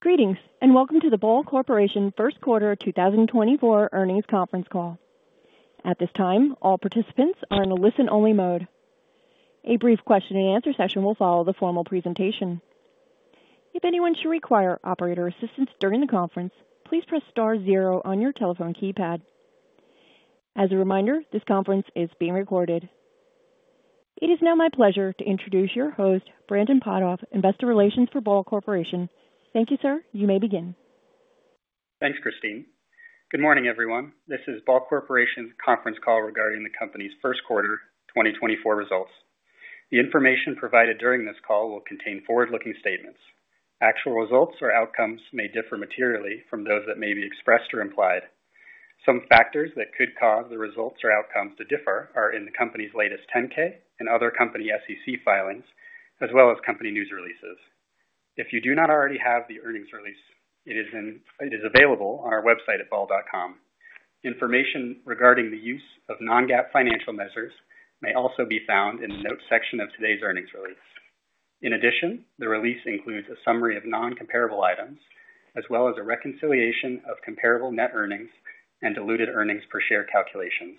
Greetings, and welcome to the Ball Corporation First Quarter 2024 Earnings Conference Call. At this time, all participants are in a listen-only mode. A brief question-and-answer session will follow the formal presentation. If anyone should require operator assistance during the conference, please press star zero on your telephone keypad. As a reminder, this conference is being recorded. It is now my pleasure to introduce your host, Brandon Potthoff, Investor Relations for Ball Corporation. Thank you, sir. You may begin. Thanks, Christine. Good morning, everyone. This is Ball Corporation's conference call regarding the company's first quarter 2024 results. The information provided during this call will contain forward-looking statements. Actual results or outcomes may differ materially from those that may be expressed or implied. Some factors that could cause the results or outcomes to differ are in the company's latest 10-K and other company SEC filings, as well as company news releases. If you do not already have the earnings release, it is available on our website at ball.com. Information regarding the use of non-GAAP financial measures may also be found in the notes section of today's earnings release. In addition, the release includes a summary of non-comparable items, as well as a reconciliation of comparable net earnings and diluted earnings per share calculations.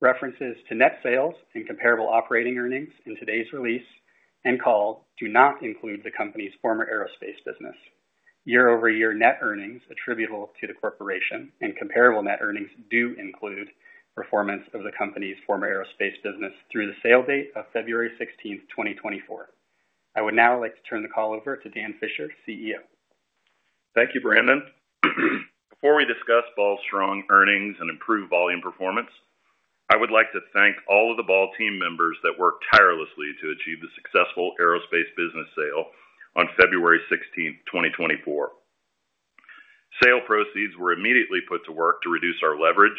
References to net sales and comparable operating earnings in today's release and call do not include the company's former aerospace business. Year-over-year net earnings attributable to the corporation and comparable net earnings do include performance of the company's former aerospace business through the sale date of February 16, 2024. I would now like to turn the call over to Dan Fisher, CEO. Thank you, Brandon. Before we discuss Ball's strong earnings and improved volume performance, I would like to thank all of the Ball team members that worked tirelessly to achieve the successful aerospace business sale on February 16, 2024. Sale proceeds were immediately put to work to reduce our leverage,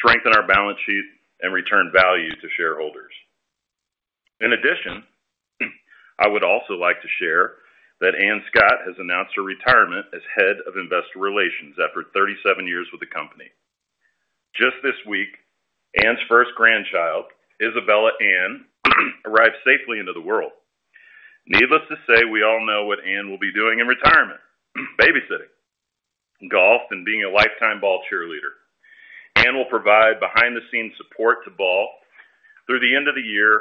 strengthen our balance sheet, and return value to shareholders. In addition, I would also like to share that Ann Scott has announced her retirement as Head of Investor Relations after 37 years with the company. Just this week, Ann's first grandchild, Isabella Ann, arrived safely into the world. Needless to say, we all know what Ann will be doing in retirement, babysitting, golf, and being a lifetime Ball cheerleader. Ann will provide behind-the-scenes support to Ball through the end of the year.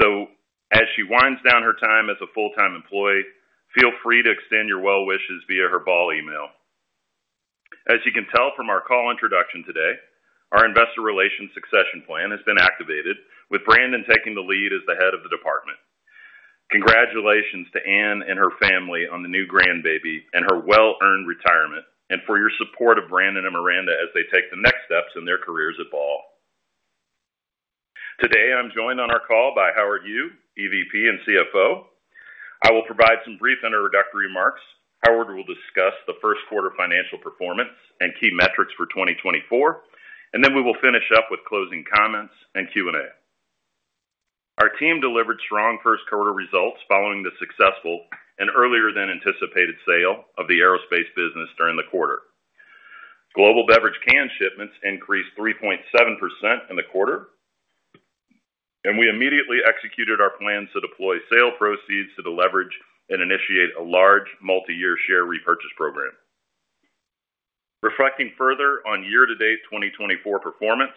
So as she winds down her time as a full-time employee, feel free to extend your well wishes via her Ball email. As you can tell from our call introduction today, our investor relations succession plan has been activated, with Brandon taking the lead as the head of the department. Congratulations to Ann and her family on the new grandbaby and her well-earned retirement, and for your support of Brandon and Miranda as they take the next steps in their careers at Ball. Today, I'm joined on our call by Howard Yu, EVP and CFO. I will provide some brief introductory remarks. Howard will discuss the first quarter financial performance and key metrics for 2024, and then we will finish up with closing comments and Q&A. Our team delivered strong first quarter results following the successful and earlier than anticipated sale of the aerospace business during the quarter. Global beverage can shipments increased 3.7% in the quarter, and we immediately executed our plans to deploy sale proceeds to deleverage and initiate a large multiyear share repurchase program. Reflecting further on year-to-date 2024 performance,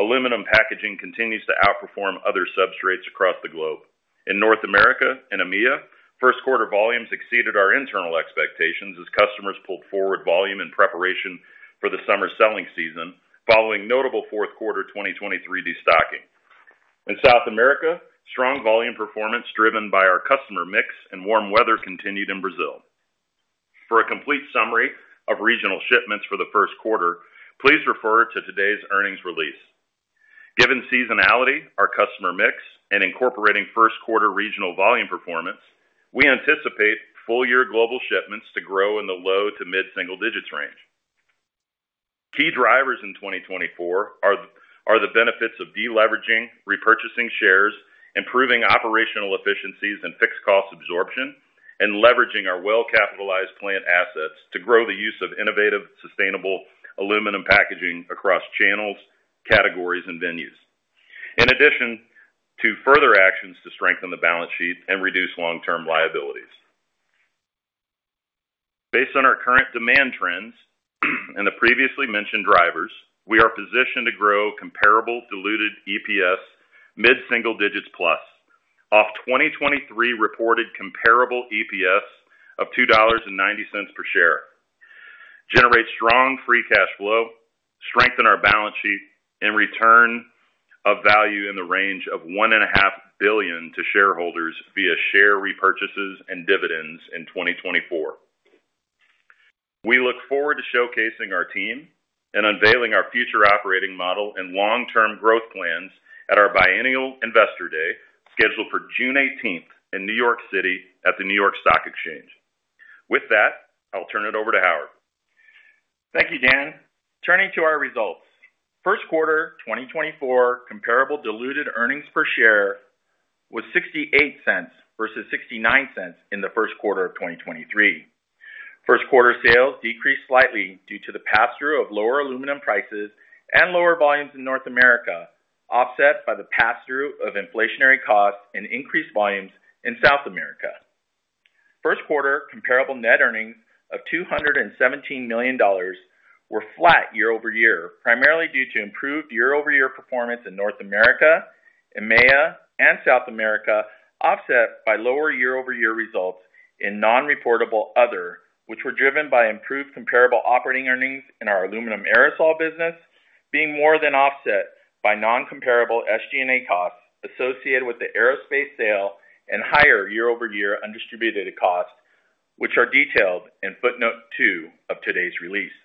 aluminum packaging continues to outperform other substrates across the globe. In North America and EMEA, first quarter volumes exceeded our internal expectations as customers pulled forward volume in preparation for the summer selling season, following notable fourth quarter 2023 destocking. In South America, strong volume performance, driven by our customer mix and warm weather, continued in Brazil. For a complete summary of regional shipments for the first quarter, please refer to today's earnings release. Given seasonality, our customer mix, and incorporating first quarter regional volume performance, we anticipate full-year global shipments to grow in the low- to mid-single digits range. Key drivers in 2024 are the benefits of deleveraging, repurchasing shares, improving operational efficiencies and fixed cost absorption, and leveraging our well-capitalized plant assets to grow the use of innovative, sustainable aluminum packaging across channels, categories, and venues. In addition to further actions to strengthen the balance sheet and reduce long-term liabilities. Based on our current demand trends and the previously mentioned drivers, we are positioned to grow comparable diluted EPS mid-single digits +, off 2023 reported comparable EPS of $2.90 per share, generate strong free cash flow, strengthen our balance sheet, and return a value in the range of $1.5 billion to shareholders via share repurchases and dividends in 2024. We look forward to showcasing our team and unveiling our future operating model and long-term growth plans at our biennial Investor Day, scheduled for June 18, in New York City at the New York Stock Exchange. With that, I'll turn it over to Howard. Thank you, Dan. Turning to our results. First quarter 2024 Comparable Diluted Earnings Per Share was $0.68 versus $0.69 in the first quarter of 2023.... First quarter sales decreased slightly due to the pass-through of lower aluminum prices and lower volumes in North America, offset by the pass-through of inflationary costs and increased volumes in South America. First quarter comparable net earnings of $217 million were flat year-over-year, primarily due to improved year-over-year performance in North America, EMEA, and South America, offset by lower year-over-year results in non-reportable Other, which were driven by improved comparable operating earnings in our aluminum aerosol business, being more than offset by non-comparable SG&A costs associated with the aerospace sale and higher year-over-year undistributed costs, which are detailed in footnote two of today's release.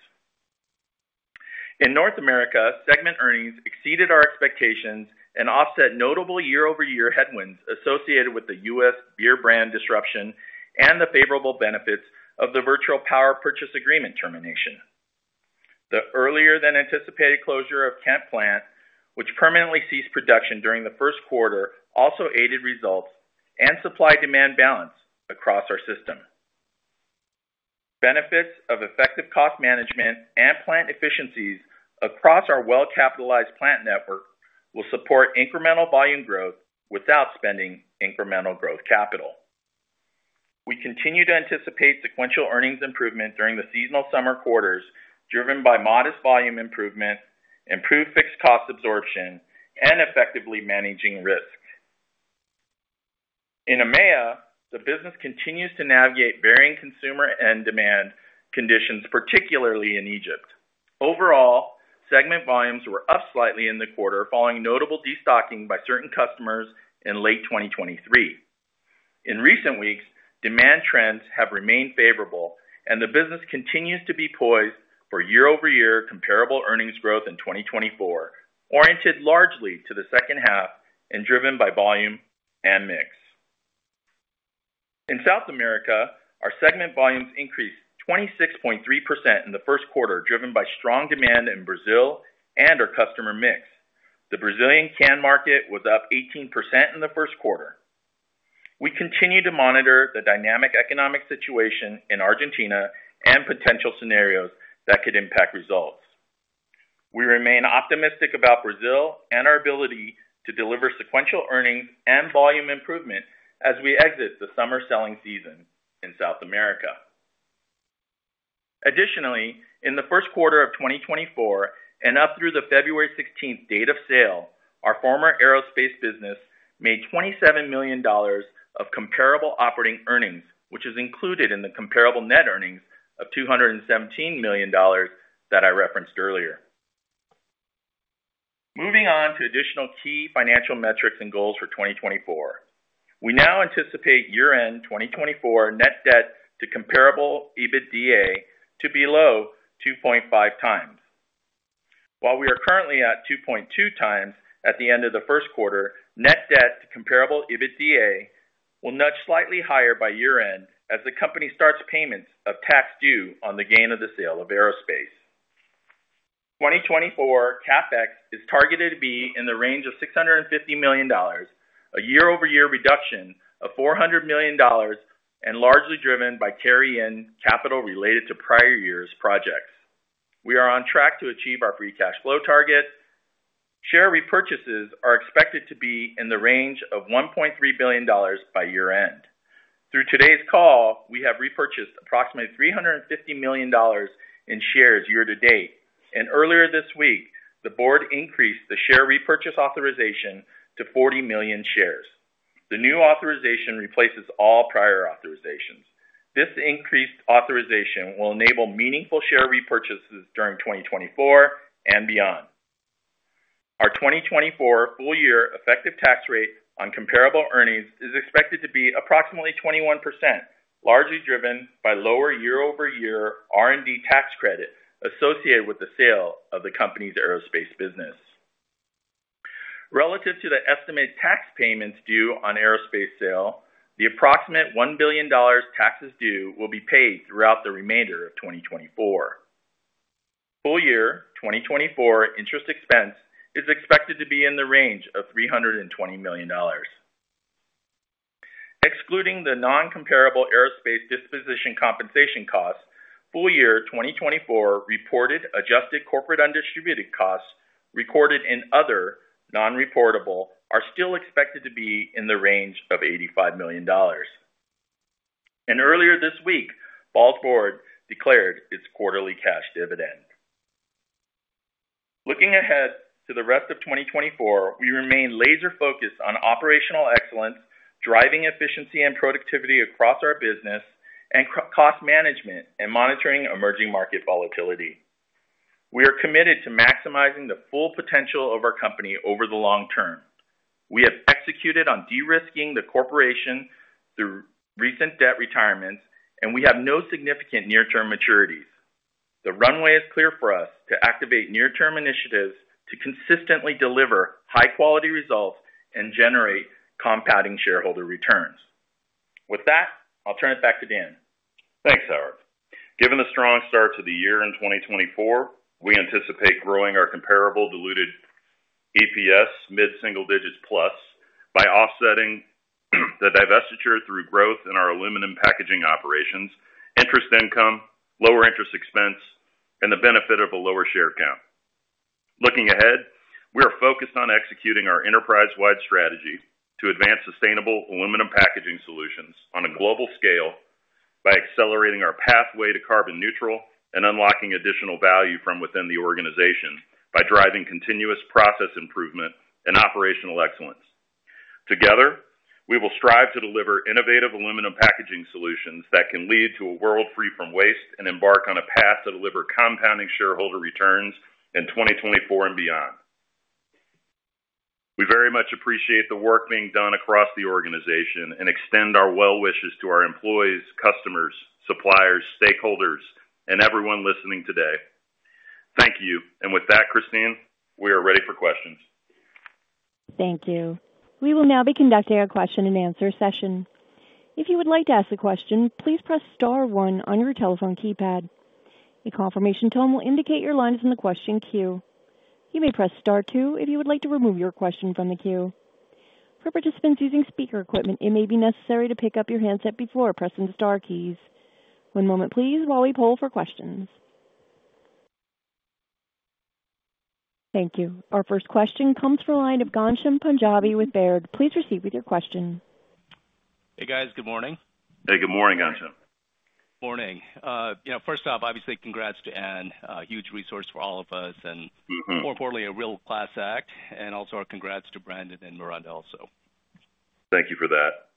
In North America, segment earnings exceeded our expectations and offset notable year-over-year headwinds associated with the U.S. beer brand disruption and the favorable benefits of the virtual power purchase agreement termination. The earlier than anticipated closure of Kent plant, which permanently ceased production during the first quarter, also aided results and supply-demand balance across our system. Benefits of effective cost management and plant efficiencies across our well-capitalized plant network will support incremental volume growth without spending incremental growth capital. We continue to anticipate sequential earnings improvement during the seasonal summer quarters, driven by modest volume improvement, improved fixed cost absorption, and effectively managing risk. In EMEA, the business continues to navigate varying consumer and demand conditions, particularly in Egypt. Overall, segment volumes were up slightly in the quarter, following notable destocking by certain customers in late 2023. In recent weeks, demand trends have remained favorable, and the business continues to be poised for year-over-year comparable earnings growth in 2024, oriented largely to the second half and driven by volume and mix. In South America, our segment volumes increased 26.3% in the first quarter, driven by strong demand in Brazil and our customer mix. The Brazilian can market was up 18% in the first quarter. We continue to monitor the dynamic economic situation in Argentina and potential scenarios that could impact results. We remain optimistic about Brazil and our ability to deliver sequential earnings and volume improvement as we exit the summer selling season in South America. Additionally, in the first quarter of 2024, and up through the February sixteenth date of sale, our former aerospace business made $27 million of comparable operating earnings, which is included in the comparable net earnings of $217 million that I referenced earlier. Moving on to additional key financial metrics and goals for 2024. We now anticipate year-end 2024 net debt to comparable EBITDA to be low 2.5 times. While we are currently at 2.2 times at the end of the first quarter, net debt to comparable EBITDA will nudge slightly higher by year-end as the company starts payments of tax due on the gain of the sale of aerospace. 2024 CapEx is targeted to be in the range of $650 million, a year-over-year reduction of $400 million, and largely driven by carry in capital related to prior years' projects. We are on track to achieve our free cash flow target. Share repurchases are expected to be in the range of $1.3 billion by year-end. Through today's call, we have repurchased approximately $350 million in shares year to date, and earlier this week, the Board increased the share repurchase authorization to 40 million shares. The new authorization replaces all prior authorizations. This increased authorization will enable meaningful share repurchases during 2024 and beyond. Our 2024 full year effective tax rate on comparable earnings is expected to be approximately 21%, largely driven by lower year-over-year R&D tax credit associated with the sale of the company's aerospace business. Relative to the estimated tax payments due on aerospace sale, the approximate $1 billion taxes due will be paid throughout the remainder of 2024. Full year 2024 interest expense is expected to be in the range of $320 million. Excluding the non-comparable aerospace disposition compensation costs, full year 2024 reported adjusted corporate undistributed costs, recorded in other non-reportable, are still expected to be in the range of $85 million. Earlier this week, Ball's Board declared its quarterly cash dividend. Looking ahead to the rest of 2024, we remain laser focused on operational excellence, driving efficiency and productivity across our business, and cost management and monitoring emerging market volatility. We are committed to maximizing the full potential of our company over the long term. We have executed on de-risking the corporation through recent debt retirements, and we have no significant near-term maturities. The runway is clear for us to activate near-term initiatives to consistently deliver high-quality results and generate compounding shareholder returns. With that, I'll turn it back to Dan. Thanks, Howard. Given the strong start to the year in 2024, we anticipate growing our comparable diluted EPS mid-single digits+ by offsetting the divestiture through growth in our aluminum packaging operations, interest income, lower interest expense, and the benefit of a lower share count. Looking ahead, we are focused on executing our enterprise-wide strategy to advance sustainable aluminum packaging solutions on a global scale by accelerating our pathway to carbon-neutral and unlocking additional value from within the organization, by driving continuous process improvement and operational excellence. Together, we will strive to deliver innovative aluminum packaging solutions that can lead to a world free from waste and embark on a path to deliver compounding shareholder returns in 2024 and beyond. We very much appreciate the work being done across the organization and extend our well wishes to our employees, customers, suppliers, stakeholders, and everyone listening today. Thank you. With that, Christine, we are ready for questions. Thank you. We will now be conducting our question-and-answer session. If you would like to ask a question, please press star one on your telephone keypad. A confirmation tone will indicate your line is in the question queue. You may press star two if you would like to remove your question from the queue. For participants using speaker equipment, it may be necessary to pick up your handset before pressing the star keys. One moment please while we poll for questions. Thank you. Our first question comes from the line of Ghansham Panjabi with Baird. Please proceed with your question. Hey, guys. Good morning. Hey, good morning, Ghansham. Morning. You know, first off, obviously, congrats to Ann, a huge resource for all of us, and- Mm-hmm. more importantly, a real class act, and also our congrats to Brandon and Miranda also. Thank you for that.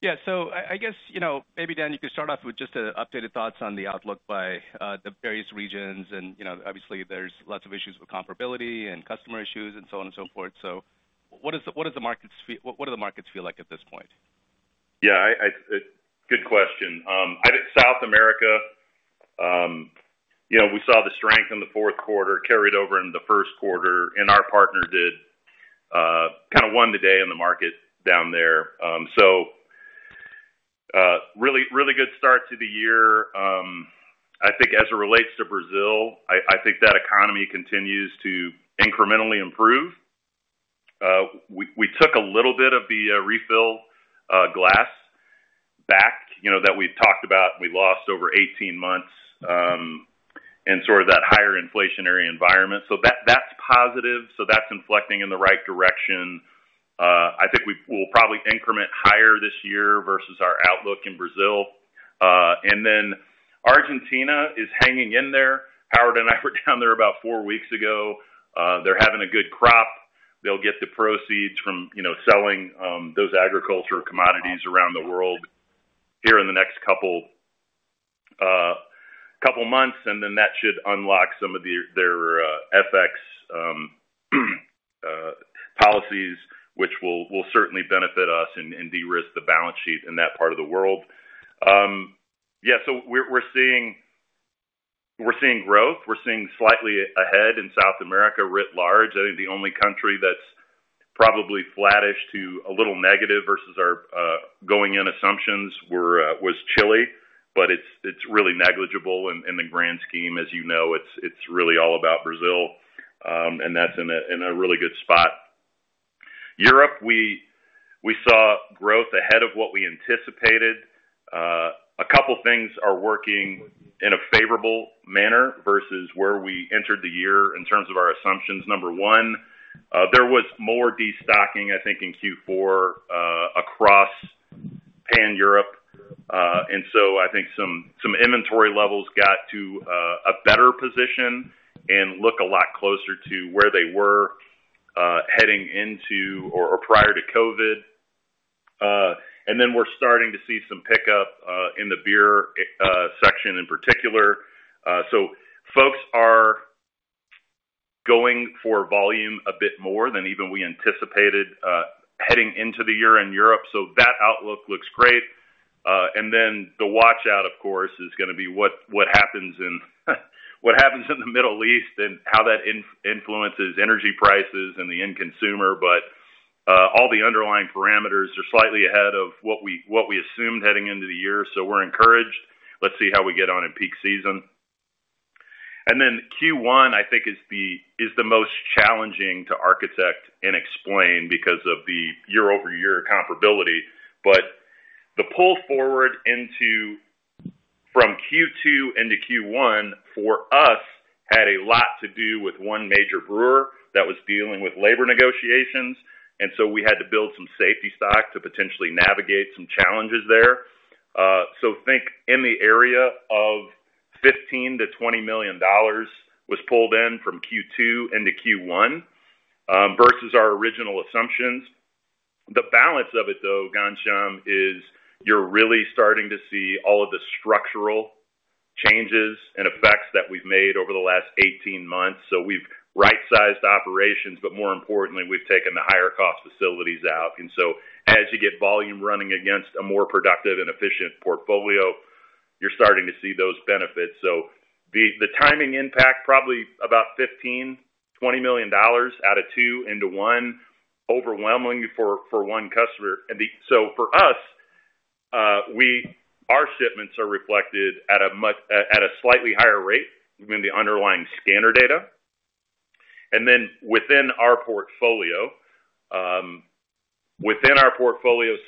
Yeah. So I guess, you know, maybe, Dan, you could start off with just updated thoughts on the outlook by the various regions. And, you know, obviously, there's lots of issues with comparability and customer issues and so on and so forth. So what do the markets feel like at this point? Yeah, I, I... Good question. I think South America, you know, we saw the strength in the fourth quarter carried over in the first quarter, and our partner did kind of won the day in the market down there. So, really, really good start to the year. I think as it relates to Brazil, I think that economy continues to incrementally improve. We took a little bit of the refill glass back, you know, that we've talked about. We lost over 18 months in sort of that higher inflationary environment. So that's positive, so that's inflecting in the right direction. I think we'll probably increment higher this year versus our outlook in Brazil. And then Argentina is hanging in there. Howard and I were down there about four weeks ago. They're having a good crop. They'll get the proceeds from, you know, selling those agriculture commodities around the world here in the next couple months, and then that should unlock some of their FX policies, which will certainly benefit us and de-risk the balance sheet in that part of the world. Yeah, so we're seeing growth. We're seeing slightly ahead in South America, writ large. I think the only country that's probably flattish to a little negative versus our going in assumptions was Chile, but it's really negligible in the grand scheme. As you know, it's really all about Brazil, and that's in a really good spot. Europe, we saw growth ahead of what we anticipated. A couple things are working in a favorable manner versus where we entered the year in terms of our assumptions. Number one, there was more destocking, I think, in Q4, across Pan-Europe. And so I think some, some inventory levels got to a better position and look a lot closer to where they were heading into or, or prior to COVID. And then we're starting to see some pickup in the beer section in particular. So folks are going for volume a bit more than even we anticipated heading into the year in Europe. So that outlook looks great. And then the watch-out, of course, is gonna be what, what happens in, what happens in the Middle East and how that influences energy prices and the end consumer. But, all the underlying parameters are slightly ahead of what we, what we assumed heading into the year, so we're encouraged. Let's see how we get on in peak season. And then Q1, I think, is the most challenging to architect and explain because of the year-over-year comparability. But the pull forward into from Q2 into Q1, for us, had a lot to do with one major brewer that was dealing with labor negotiations, and so we had to build some safety stock to potentially navigate some challenges there. So think in the area of $15 million-$20 million was pulled in from Q2 into Q1, versus our original assumptions. The balance of it, though, Ghansham, is you're really starting to see all of the structural changes and effects that we've made over the last 18 months. So we've right-sized operations, but more importantly, we've taken the higher cost facilities out. And so as you get volume running against a more productive and efficient portfolio, you're starting to see those benefits. So the timing impact, probably about $15 million-$20 million out of two into one, overwhelmingly for one customer. And so for us, our shipments are reflected at a slightly higher rate than the underlying scanner data. And then within our portfolio,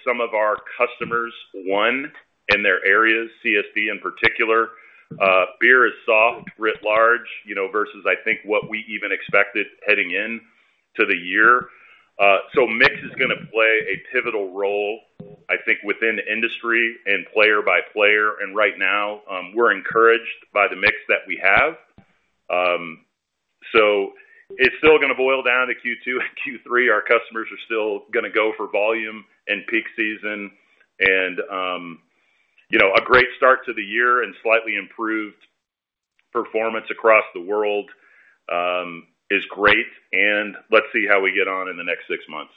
some of our customers won in their areas, CSD in particular. Beer is soft, writ large, you know, versus I think what we even expected heading in to the year. So mix is gonna play a pivotal role, I think, within the industry and player by player. And right now, we're encouraged by the mix that we have. So it's still gonna boil down to Q2 and Q3. Our customers are still gonna go for volume and peak season and, you know, a great start to the year and slightly improved performance across the world, is great, and let's see how we get on in the next six months.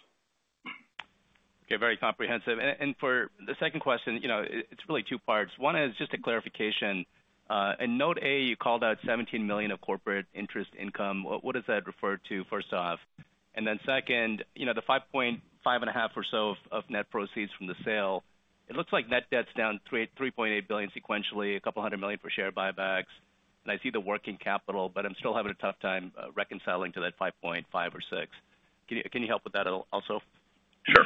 Okay, very comprehensive. And for the second question, you know, it's really two parts. One is just a clarification. In note A, you called out $17 million of corporate interest income. What does that refer to, first off? And then second, you know, the $5.5 and a half billion or so of net proceeds from the sale, it looks like net debt's down $3.8 billion sequentially, $200 million for share buybacks, and I see the working capital, but I'm still having a tough time reconciling to that $5.5 billion-$6 billion. Can you help with that also? Sure.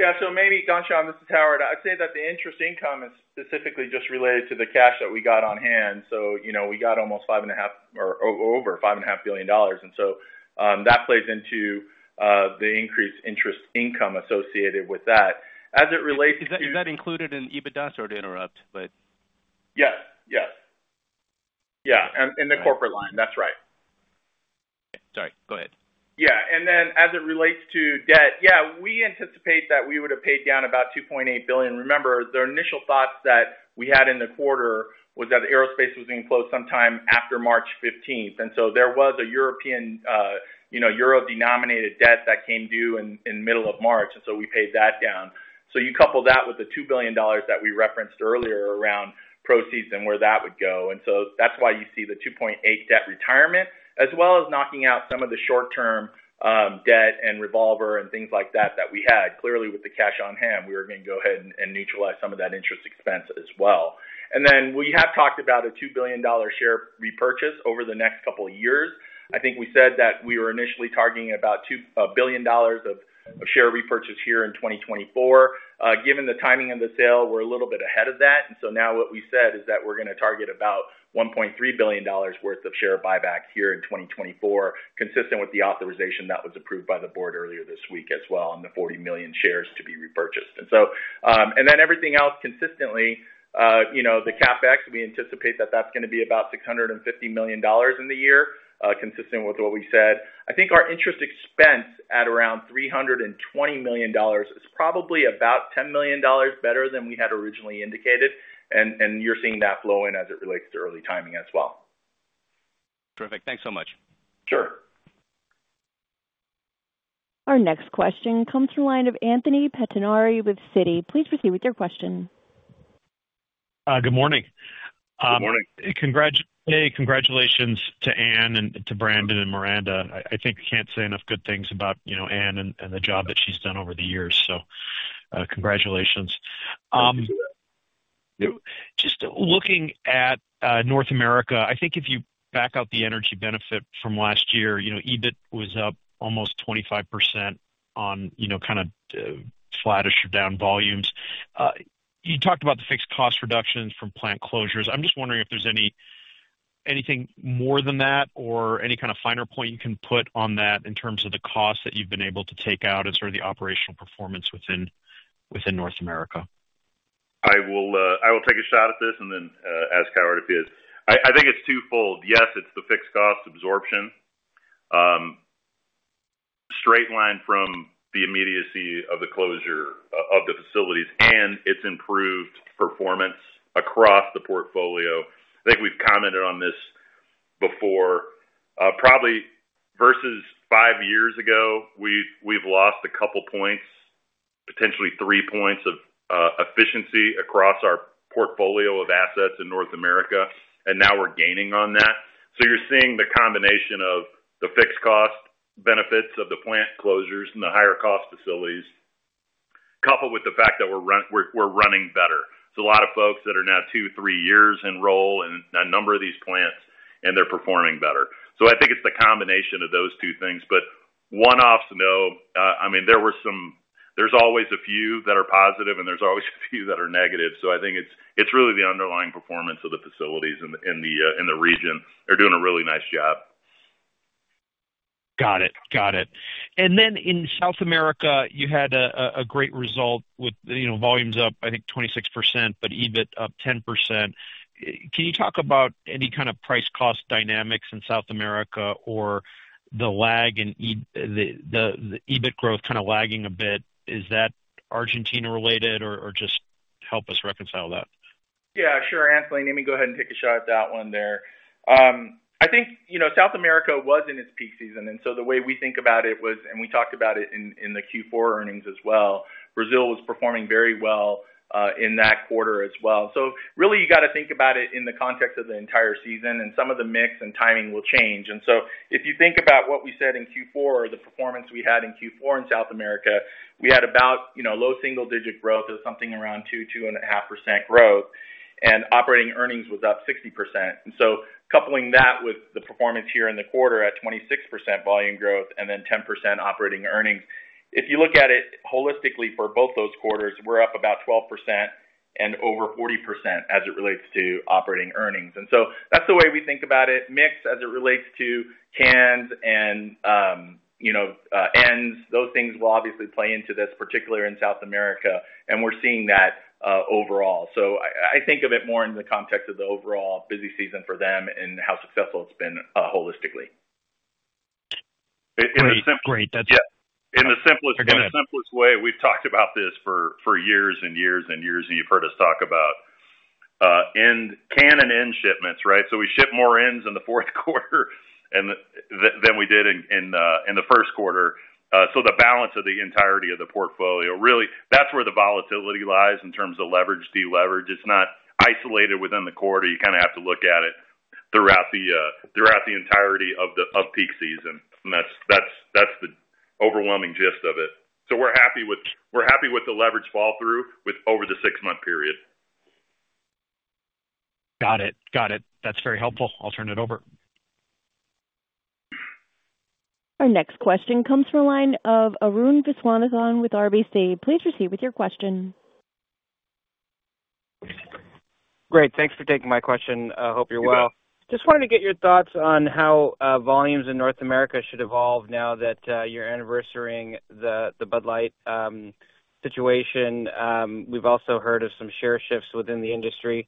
Yeah, so maybe, Ghansham, this is Howard. I'd say that the interest income is specifically just related to the cash that we got on hand. So, you know, we got almost $5.5 billion or over $5.5 billion, and so, that plays into the increased interest income associated with that. As it relates to- Is that, is that included in EBITDA? Sorry to interrupt, but... Yes. Yes. Yeah, in the corporate line. That's right. Sorry. Go ahead. Yeah, and then as it relates to debt, yeah, we anticipate that we would have paid down about $2.8 billion. Remember, the initial thoughts that we had in the quarter was that aerospace was being closed sometime after March fifteenth, and so there was a European, you know, euro-denominated debt that came due in middle of March, and so we paid that down. So you couple that with the $2 billion that we referenced earlier around proceeds and where that would go. And so that's why you see the $2.8 billion debt retirement, as well as knocking out some of the short-term, debt and revolver and things like that, that we had. Clearly, with the cash on hand, we were gonna go ahead and neutralize some of that interest expense as well. And then, we have talked about a $2 billion share repurchase over the next couple of years. I think we said that we were initially targeting about $2 billion of share repurchase here in 2024. Given the timing of the sale, we're a little bit ahead of that. And so now what we said is that we're gonna target about $1.3 billion worth of share buyback here in 2024, consistent with the authorization that was approved by the Board earlier this week as well, and the 40 million shares to be repurchased. And so, and then everything else consistently, you know, the CapEx, we anticipate that that's gonna be about $650 million in the year, consistent with what we said. I think our interest expense at around $320 million is probably about $10 million better than we had originally indicated, and you're seeing that flow in as it relates to early timing as well. Terrific. Thanks so much. Sure. Our next question comes from the line of Anthony Pettinari with Citi. Please proceed with your question. Good morning. Good morning. Hey, congratulations to Ann and to Brandon and Miranda. I think we can't say enough good things about, you know, Ann and the job that she's done over the years, so, congratulations. Just looking at North America, I think if you back out the energy benefit from last year, you know, EBIT was up almost 25% on, you know, kind of flattish or down volumes. You talked about the fixed cost reductions from plant closures. I'm just wondering if there's anything more than that or any kind of finer point you can put on that in terms of the cost that you've been able to take out and sort of the operational performance within North America? I will take a shot at this and then ask Howard if he is. I think it's twofold. Yes, it's the fixed cost absorption, straight line from the immediacy of the closure of the facilities, and it's improved performance across the portfolio. I think we've commented on this before. Probably versus five years ago, we've lost a couple points, potentially three points of efficiency across our portfolio of assets in North America, and now we're gaining on that. So you're seeing the combination of the fixed cost benefits of the plant closures and the higher cost facilities, coupled with the fact that we're running better. So a lot of folks that are now two, three years in role in a number of these plants, and they're performing better. So I think it's the combination of those two things. But one-offs, no. I mean, there were some. There's always a few that are positive, and there's always a few that are negative. So I think it's really the underlying performance of the facilities in the region. They're doing a really nice job. Got it. Got it. And then in South America, you had a great result with, you know, volumes up, I think, 26%, but EBIT up 10%. Can you talk about any kind of price cost dynamics in South America or the lag in the EBIT growth kind of lagging a bit? Is that Argentina-related, or just help us reconcile that? Yeah, sure, Anthony. Let me go ahead and take a shot at that one there. I think, you know, South America was in its peak season, and so the way we think about it was, and we talked about it in the Q4 earnings as well, Brazil was performing very well, in that quarter as well. So really, you gotta think about it in the context of the entire season, and some of the mix and timing will change. And so if you think about what we said in Q4 or the performance we had in Q4 in South America, we had about, you know, low single-digit growth of something around 2%-2.5% growth, and operating earnings was up 60%. And so coupling that with the performance here in the quarter at 26% volume growth and then 10% operating earnings, if you look at it holistically, for both those quarters, we're up about 12% and over 40% as it relates to operating earnings. And so that's the way we think about it. Mix, as it relates to cans and, you know, ends, those things will obviously play into this, particularly in South America, and we're seeing that, overall. So I think of it more in the context of the overall busy season for them and how successful it's been, holistically. Great. In the simplest way, we've talked about this for years and years and years, and you've heard us talk about can and end shipments, right? So we ship more ends in the fourth quarter than we did in the first quarter. So the balance of the entirety of the portfolio, really, that's where the volatility lies in terms of leverage, deleverage. It's not isolated within the quarter. You kinda have to look at it throughout the entirety of the peak season, and that's the overwhelming gist of it. So we're happy with the leverage fall through with over the six-month period. Got it. Got it. That's very helpful. I'll turn it over. Our next question comes from a line of Arun Viswanathan with RBC. Please proceed with your question. Great, thanks for taking my question. Hope you're well. You got it. Just wanted to get your thoughts on how volumes in North America should evolve now that you're anniversarying the Bud Light situation. We've also heard of some share shifts within the industry.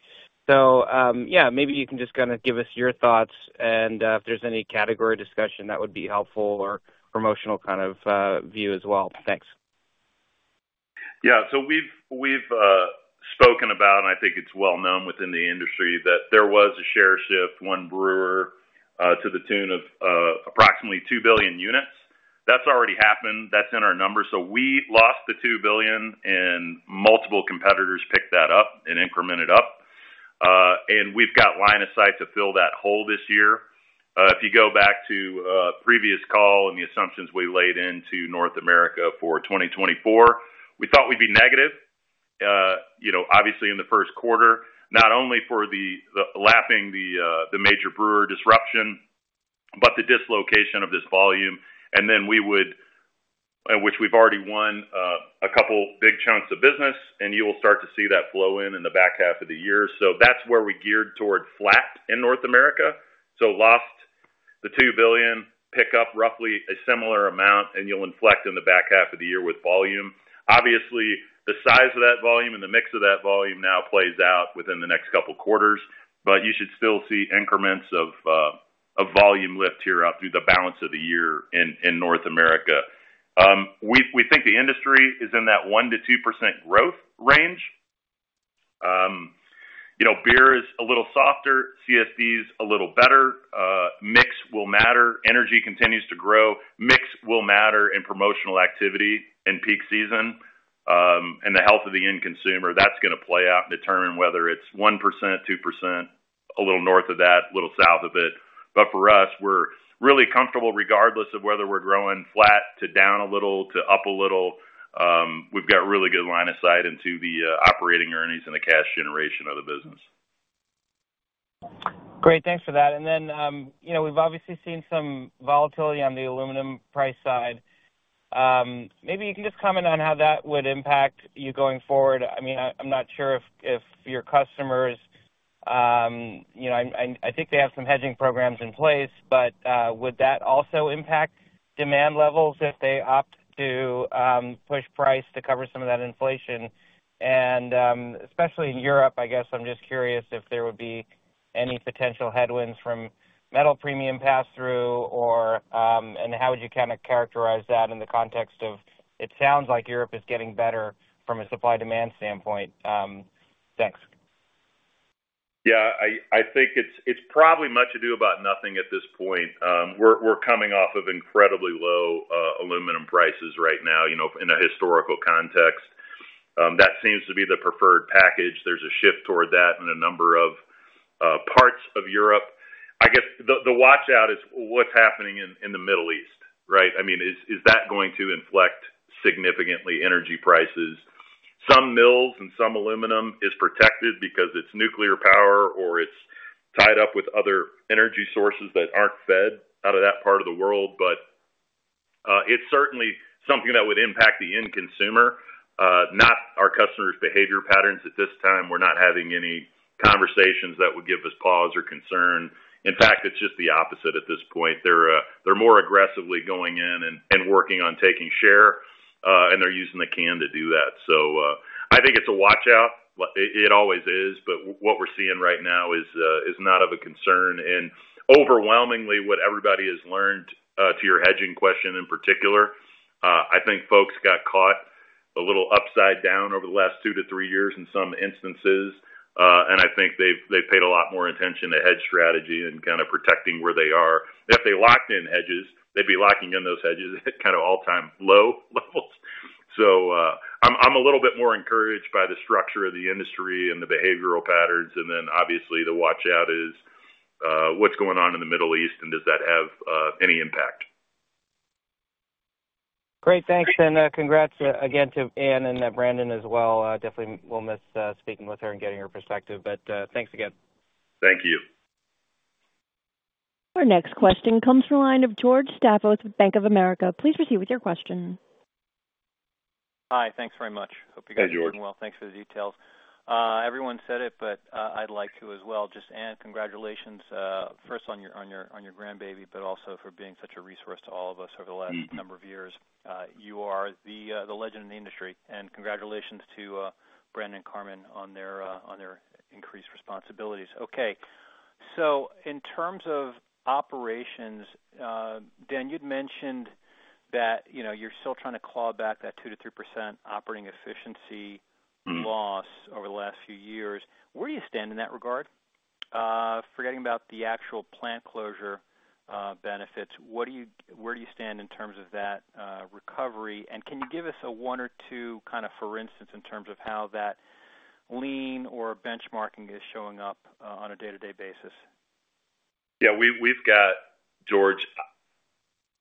So, yeah, maybe you can just kinda give us your thoughts, and if there's any category discussion, that would be helpful, or promotional kind of view as well. Thanks. Yeah, so we've spoken about, and I think it's well known within the industry, that there was a share shift, one brewer, to the tune of approximately 2 billion units. That's already happened. That's in our numbers. So we lost the 2 billion, and multiple competitors picked that up and incremented up. And we've got line of sight to fill that hole this year. If you go back to a previous call and the assumptions we laid into North America for 2024, we thought we'd be negative, you know, obviously, in the first quarter, not only for the lapping of the major brewer disruption, but the dislocation of this volume. And then we would... which we've already won a couple big chunks of business, and you will start to see that flow in in the back half of the year. So that's where we geared toward flat in North America. So lost the $2 billion, pick up roughly a similar amount, and you'll inflect in the back half of the year with volume. Obviously, the size of that volume and the mix of that volume now plays out within the next couple quarters, but you should still see increments of of volume lift here out through the balance of the year in in North America. We think the industry is in that 1%-2% growth range. You know, beer is a little softer, CSD's a little better. Mix will matter. Energy continues to grow. Mix will matter in promotional activity in peak season, and the health of the end consumer, that's gonna play out and determine whether it's 1%, 2%, a little north of that, a little south of it. But for us, we're really comfortable regardless of whether we're growing flat, to down a little, to up a little. We've got really good line of sight into the operating earnings and the cash generation of the business. Great. Thanks for that. And then, you know, we've obviously seen some volatility on the aluminum price side. Maybe you can just comment on how that would impact you going forward. I mean, I'm not sure if your customers, you know, I think they have some hedging programs in place, but would that also impact demand levels if they opt to push price to cover some of that inflation? And especially in Europe, I guess I'm just curious if there would be any potential headwinds from metal premium pass-through or and how would you kind of characterize that in the context of, it sounds like Europe is getting better from a supply-demand standpoint. Thanks. Yeah, I think it's probably much ado about nothing at this point. We're coming off of incredibly low aluminum prices right now, you know, in a historical context. That seems to be the preferred package. There's a shift toward that in a number of parts of Europe. I guess the watch-out is what's happening in the Middle East, right? I mean, is that going to inflect significantly energy prices? Some mills and some aluminum is protected because it's nuclear power or it's tied up with other energy sources that aren't fed out of that part of the world. But it's certainly something that would impact the end consumer, not our customer's behavior patterns at this time. We're not having any conversations that would give us pause or concern. In fact, it's just the opposite at this point. They're, they're more aggressively going in and, and working on taking share, and they're using the can to do that. So, I think it's a watch-out. It always is, but what we're seeing right now is not of a concern. And overwhelmingly, what everybody has learned, to your hedging question in particular, I think folks got caught a little upside down over the last 2-3 years in some instances, and I think they've paid a lot more attention to hedge strategy and kind of protecting where they are. If they locked in hedges, they'd be locking in those hedges at kind of all-time low levels. So, I'm a little bit more encouraged by the structure of the industry and the behavioral patterns, and then obviously, the watch-out is what's going on in the Middle East, and does that have any impact?... Great, thanks. And, congrats, again to Ann and Brandon as well. Definitely we'll miss speaking with her and getting her perspective. But, thanks again. Thank you. Our next question comes from the line of George Staphos with Bank of America. Please proceed with your question. Hi, thanks very much. Hi, George. Hope you guys are doing well. Thanks for the details. Everyone said it, but I'd like to as well, just Ann, congratulations, first on your grandbaby, but also for being such a resource to all of us over the last- Mm-hmm Number of years. You are the legend in the industry. And congratulations to Brandon and Carmen on their increased responsibilities. Okay, so in terms of operations, Dan, you'd mentioned that, you know, you're still trying to claw back that 2%-3% operating efficiency loss- Mm-hmm over the last few years. Where do you stand in that regard? Forgetting about the actual plant closure, benefits, what do you—where do you stand in terms of that, recovery? And can you give us a one or two kind of, for instance, in terms of how that lean or benchmarking is showing up, on a day-to-day basis? Yeah, we've got, George,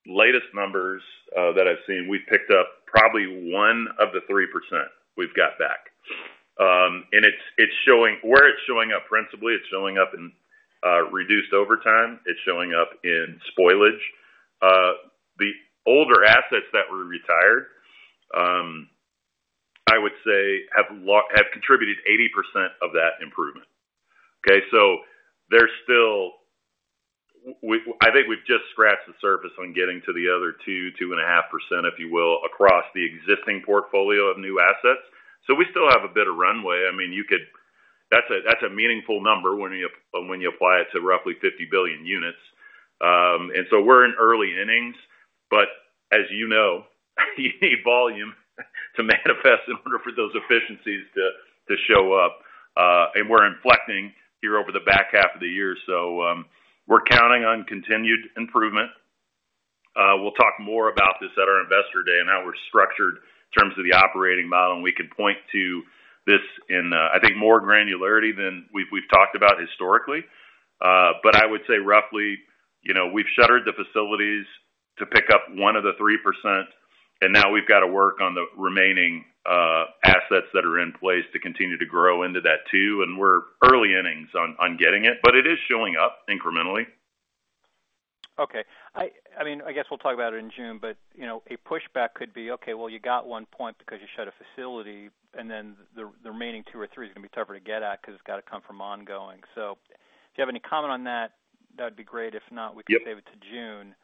the latest numbers that I've seen. We've picked up probably one of the 3% we've got back. And it's showing—where it's showing up, principally, it's showing up in reduced overtime. It's showing up in spoilage. The older assets that were retired, I would say, have contributed 80% of that improvement, okay? So there's still... I think we've just scratched the surface on getting to the other 2%-2.5%, if you will, across the existing portfolio of new assets. So we still have a bit of runway. I mean, you could—That's a meaningful number when you apply it to roughly 50 billion units. And so we're in early innings, but as you know, you need volume to manifest in order for those efficiencies to show up. And we're inflecting here over the back half of the year, so we're counting on continued improvement. We'll talk more about this at our Investor Day and how we're structured in terms of the operating model, and we can point to this in I think more granularity than we've talked about historically. But I would say roughly, you know, we've shuttered the facilities to pick up one of the 3%, and now we've got to work on the remaining assets that are in place to continue to grow into that, too. And we're early innings on getting it, but it is showing up incrementally. Okay. I mean, I guess we'll talk about it in June, but, you know, a pushback could be: "Okay, well, you got one point because you shut a facility, and then the remaining two or three is gonna be tougher to get at because it's got to come from ongoing." So if you have any comment on that, that would be great. If not- Yep... we can save it to June.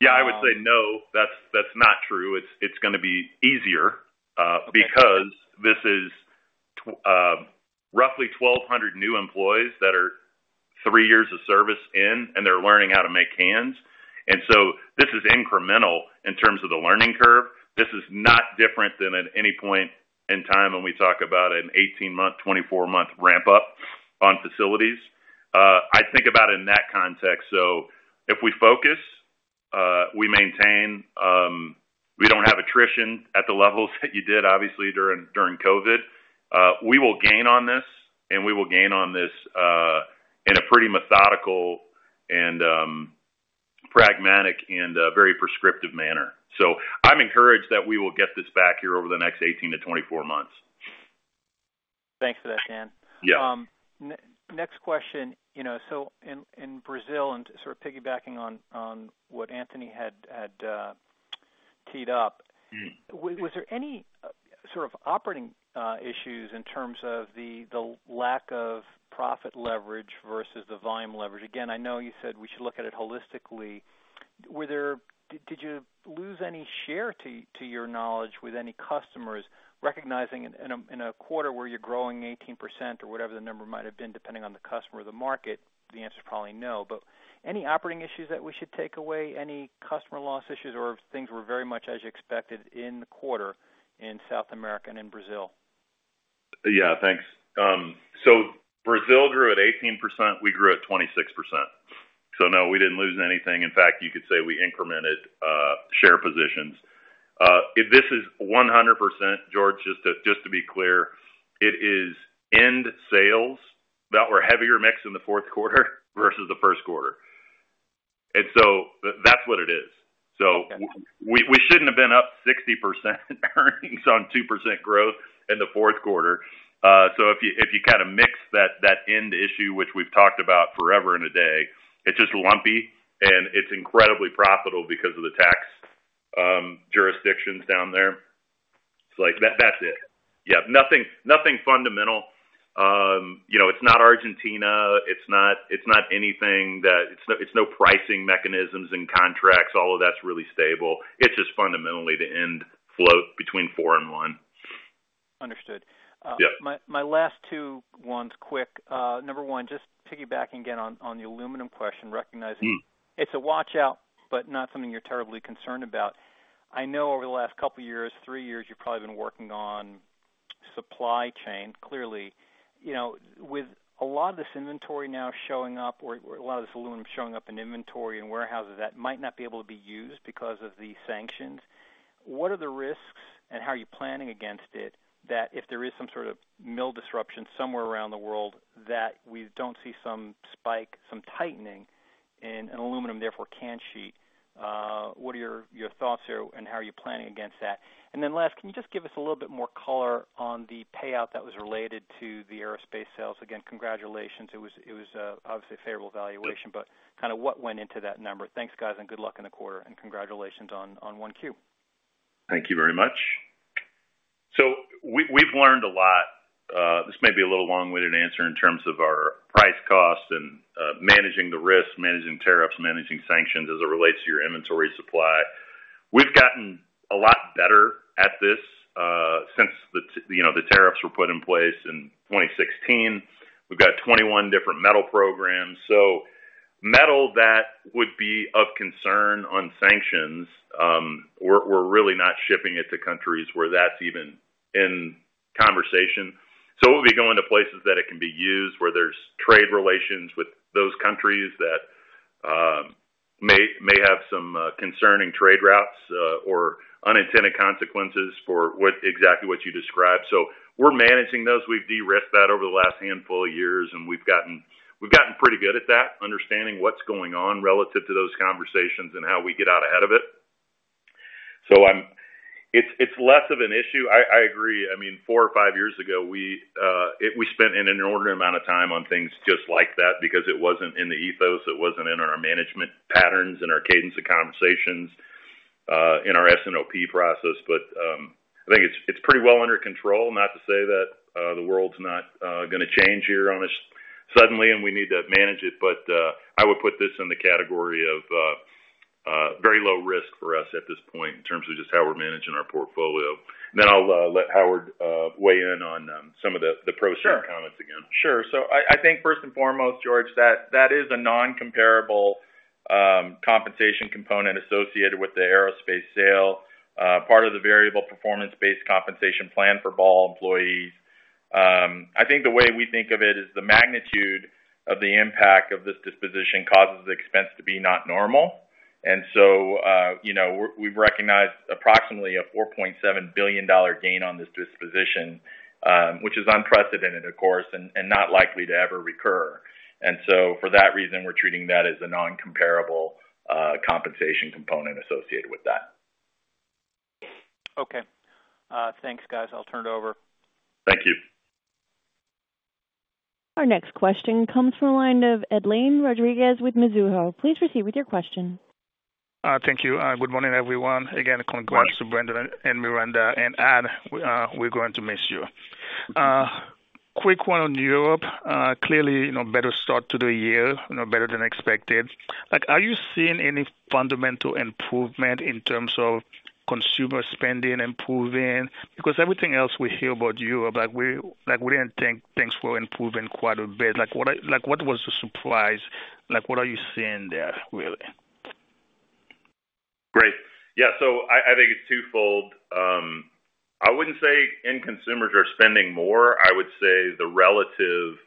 Yeah, I would say, no, that's, that's not true. It's, it's gonna be easier, Okay... because this is roughly 1,200 new employees that are three years of service in, and they're learning how to make cans. And so this is incremental in terms of the learning curve. This is not different than at any point in time when we talk about an 18-month, 24-month ramp-up on facilities. I think about it in that context. So if we focus, we maintain, we don't have attrition at the levels that you did, obviously, during COVID. We will gain on this, and we will gain on this, in a pretty methodical and, pragmatic and, very prescriptive manner. So I'm encouraged that we will get this back here over the next 18-24 months. Thanks for that, Dan. Yeah. Next question, you know, so in Brazil, and sort of piggybacking on what Anthony had teed up- Mm-hmm... was there any sort of operating issues in terms of the lack of profit leverage versus the volume leverage? Again, I know you said we should look at it holistically. Did you lose any share, to your knowledge, with any customers recognizing in a quarter where you're growing 18% or whatever the number might have been, depending on the customer or the market? The answer is probably no, but any operating issues that we should take away, any customer loss issues or things were very much as you expected in the quarter in South America and in Brazil? Yeah, thanks. So Brazil grew at 18%, we grew at 26%. So no, we didn't lose anything. In fact, you could say we incremented share positions. This is 100%, George, just to, just to be clear, it is end sales that were heavier mixed in the fourth quarter versus the first quarter. And so that's what it is. Okay. So we, we shouldn't have been up 60% earnings on 2% growth in the fourth quarter. So if you, if you kind of mix that, that end issue, which we've talked about forever and a day, it's just lumpy, and it's incredibly profitable because of the tax jurisdictions down there. It's like, that's it. Yeah, nothing, nothing fundamental. You know, it's not Argentina, it's not, it's not anything that... It's no, it's no pricing mechanisms and contracts. All of that's really stable. It's just fundamentally the end float between 4 and 1. Understood. Yeah. My last two ones, quick. Number one, just piggybacking again on the aluminum question, recognizing- Mm-hmm... it's a watch-out, but not something you're terribly concerned about. I know over the last couple of years, three years, you've probably been working on supply chain, clearly. You know, with a lot of this inventory now showing up or a lot of this aluminum showing up in inventory and warehouses, that might not be able to be used because of the sanctions, what are the risks, and how are you planning against it, that if there is some sort of mill disruption somewhere around the world, that we don't see some spike, some tightening in an aluminum, therefore, can sheet. What are your thoughts here, and how are you planning against that? And then last, can you just give us a little bit more color on the payout that was related to the aerospace sales? Again, congratulations. It was obviously a favorable valuation, but kind of what went into that number. Thanks, guys, and good luck in the quarter, and congratulations on Q1. Thank you very much. So we've learned a lot. This may be a little long-winded answer in terms of our price, cost, and managing the risk, managing tariffs, managing sanctions as it relates to your inventory supply. We've gotten a lot better at this since the, you know, the tariffs were put in place in 2016. We've got 21 different metal programs. So metal that would be of concern on sanctions, we're really not shipping it to countries where that's even in conversation. So it would be going to places that it can be used, where there's trade relations with those countries that may have some concerning trade routes or unintended consequences for what exactly what you described. So we're managing those. We've de-risked that over the last handful of years, and we've gotten pretty good at that, understanding what's going on relative to those conversations and how we get out ahead of it. So it's less of an issue. I agree. I mean, four or five years ago, we spent an inordinate amount of time on things just like that because it wasn't in the ethos, it wasn't in our management patterns and our cadence of conversations in our S&OP process. But I think it's pretty well under control. Not to say that the world's not gonna change here on us suddenly, and we need to manage it, but I would put this in the category of very low risk for us at this point in terms of just how we're managing our portfolio. And then I'll let Howard weigh in on some of the process comments again. Sure. So I think first and foremost, George, that is a non-comparable compensation component associated with the aerospace sale part of the variable performance-based compensation plan for Ball employees. I think the way we think of it is the magnitude of the impact of this disposition causes the expense to be not normal. And so, you know, we've recognized approximately a $4.7 billion gain on this disposition, which is unprecedented, of course, and not likely to ever recur. And so for that reason, we're treating that as a non-comparable compensation component associated with that. Okay. Thanks, guys. I'll turn it over. Thank you. Our next question comes from the line of Edlain Rodriguez with Mizuho. Please proceed with your question. Thank you. Good morning, everyone. Again, congrats to Brandon and Miranda, and Ann, we're going to miss you. Quick one on Europe. Clearly, you know, better start to the year, you know, better than expected. Like, are you seeing any fundamental improvement in terms of consumer spending improving? Because everything else we hear about Europe, like we didn't think things were improving quite a bit. Like, what was the surprise? Like, what are you seeing there, really? Great. Yeah, so I think it's twofold. I wouldn't say end consumers are spending more. I would say the relative,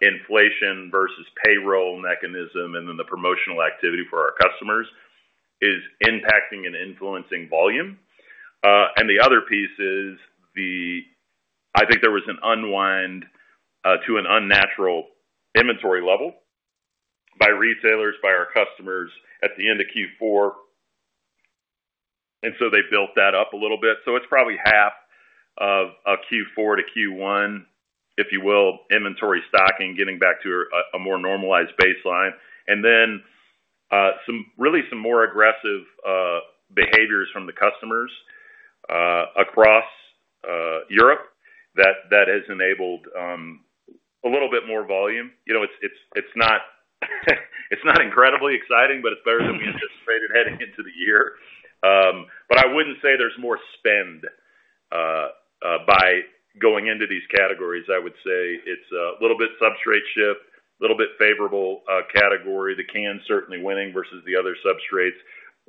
inflation versus payroll mechanism and then the promotional activity for our customers is impacting and influencing volume. And the other piece is the... I think there was an unwind, to an unnatural inventory level by retailers, by our customers at the end of Q4, and so they built that up a little bit. So it's probably half of a Q4-Q1, if you will, inventory stocking, getting back to a, a more normalized baseline, and then, some really some more aggressive, behaviors from the customers, across, Europe, that has enabled, a little bit more volume. You know, it's not incredibly exciting, but it's better than we anticipated heading into the year. But I wouldn't say there's more spend by going into these categories. I would say it's a little bit substrate shift, a little bit favorable category. The cans certainly winning versus the other substrates.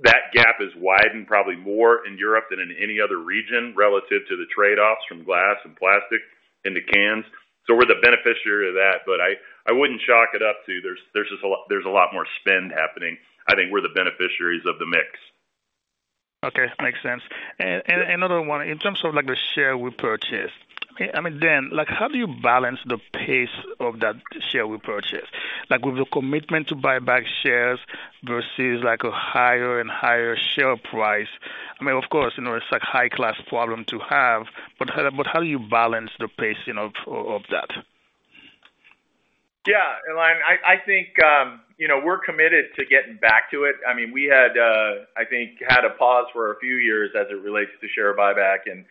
That gap has widened, probably more in Europe than in any other region, relative to the trade-offs from glass and plastic into cans. So we're the beneficiary of that, but I wouldn't chalk it up to there's just a lot more spend happening. I think we're the beneficiaries of the mix. Okay. Makes sense. And another one: In terms of, like, the shares we purchased, I mean, Dan, like, how do you balance the pace of those shares we purchased? Like, with the commitment to buy back shares versus, like, a higher and higher share price. I mean, of course, you know, it's a high-class problem to have, but how do you balance the pacing of that? Yeah, Edlain, I, I think, you know, we're committed to getting back to it. I mean, we had, I think, had a pause for a few years as it relates to share buyback, and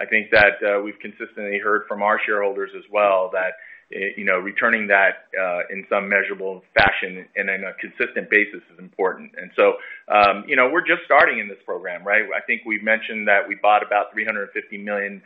I think that, we've consistently heard from our shareholders as well, that, you know, returning that, in some measurable fashion and in a consistent basis is important. And so, you know, we're just starting in this program, right? I think we've mentioned that we bought about $350 million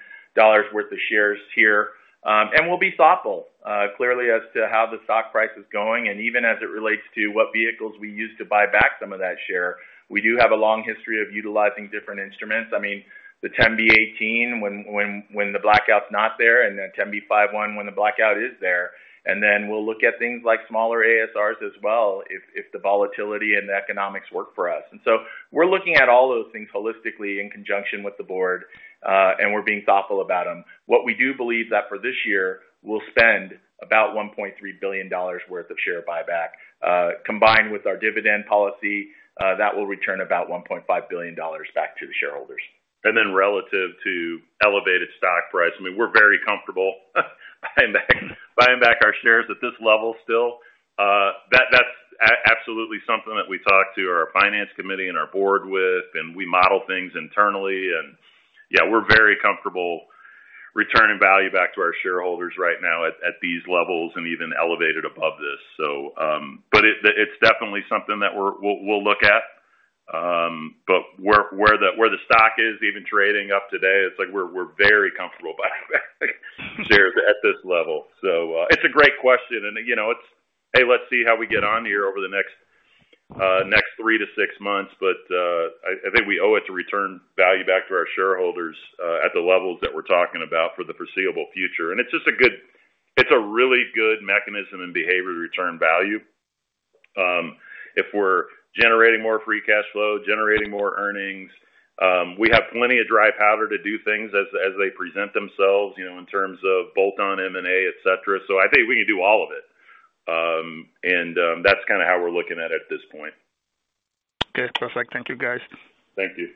worth of shares here. And we'll be thoughtful, clearly, as to how the stock price is going and even as it relates to what vehicles we use to buy back some of that share. We do have a long history of utilizing different instruments. I mean, the 10b-18 when the blackout's not there, and the 10b5-1 when the blackout is there. And then we'll look at things like smaller ASRs as well, if the volatility and the economics work for us. And so we're looking at all those things holistically in conjunction with the Board, and we're being thoughtful about them. What we do believe that for this year-... we'll spend about $1.3 billion worth of share buyback. Combined with our dividend policy, that will return about $1.5 billion back to the shareholders. Then relative to elevated stock price, I mean, we're very comfortable buying back, buying back our shares at this level still. That's absolutely something that we talk to our finance committee and our Board with, and we model things internally. Yeah, we're very comfortable returning value back to our shareholders right now at these levels, and even elevated above this. But it's definitely something that we'll look at. But where the stock is even trading up today, it's like we're very comfortable buying back shares at this level. So, it's a great question, and you know, it's... Hey, let's see how we get on here over the next three to six months. But, I think we owe it to return value back to our shareholders at the levels that we're talking about for the foreseeable future. And it's just a good, it's a really good mechanism and behavior to return value. If we're generating more Free Cash Flow, generating more earnings, we have plenty of dry powder to do things as they present themselves, you know, in terms of bolt-on M&A, et cetera. So I think we can do all of it. And that's kind of how we're looking at it at this point. Okay, perfect. Thank you, guys. Thank you.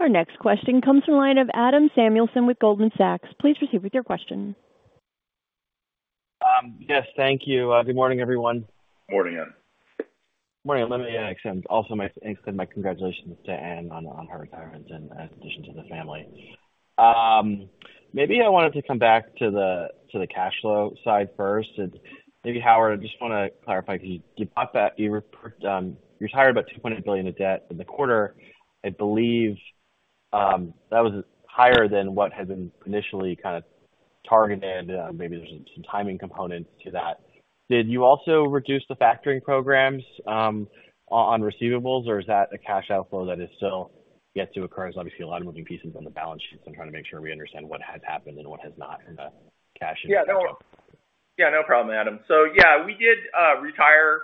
Our next question comes from the line of Adam Samuelson with Goldman Sachs. Please proceed with your question. Yes, thank you. Good morning, everyone. Morning, Adam. Morning. Let me extend my congratulations to Ann on her retirement and addition to the family. Maybe I wanted to come back to the cash flow side first. And maybe, Howard, I just wanna clarify, because you talked about you retired about $2.8 billion of debt in the quarter. I believe that was higher than what had been initially kind of targeted. Maybe there's some timing component to that. Did you also reduce the factoring programs on receivables, or is that a cash outflow that is still yet to occur? There's obviously a lot of moving pieces on the balance sheet, so I'm trying to make sure we understand what has happened and what has not in the cash- Yeah, no problem, Adam. So yeah, we did retire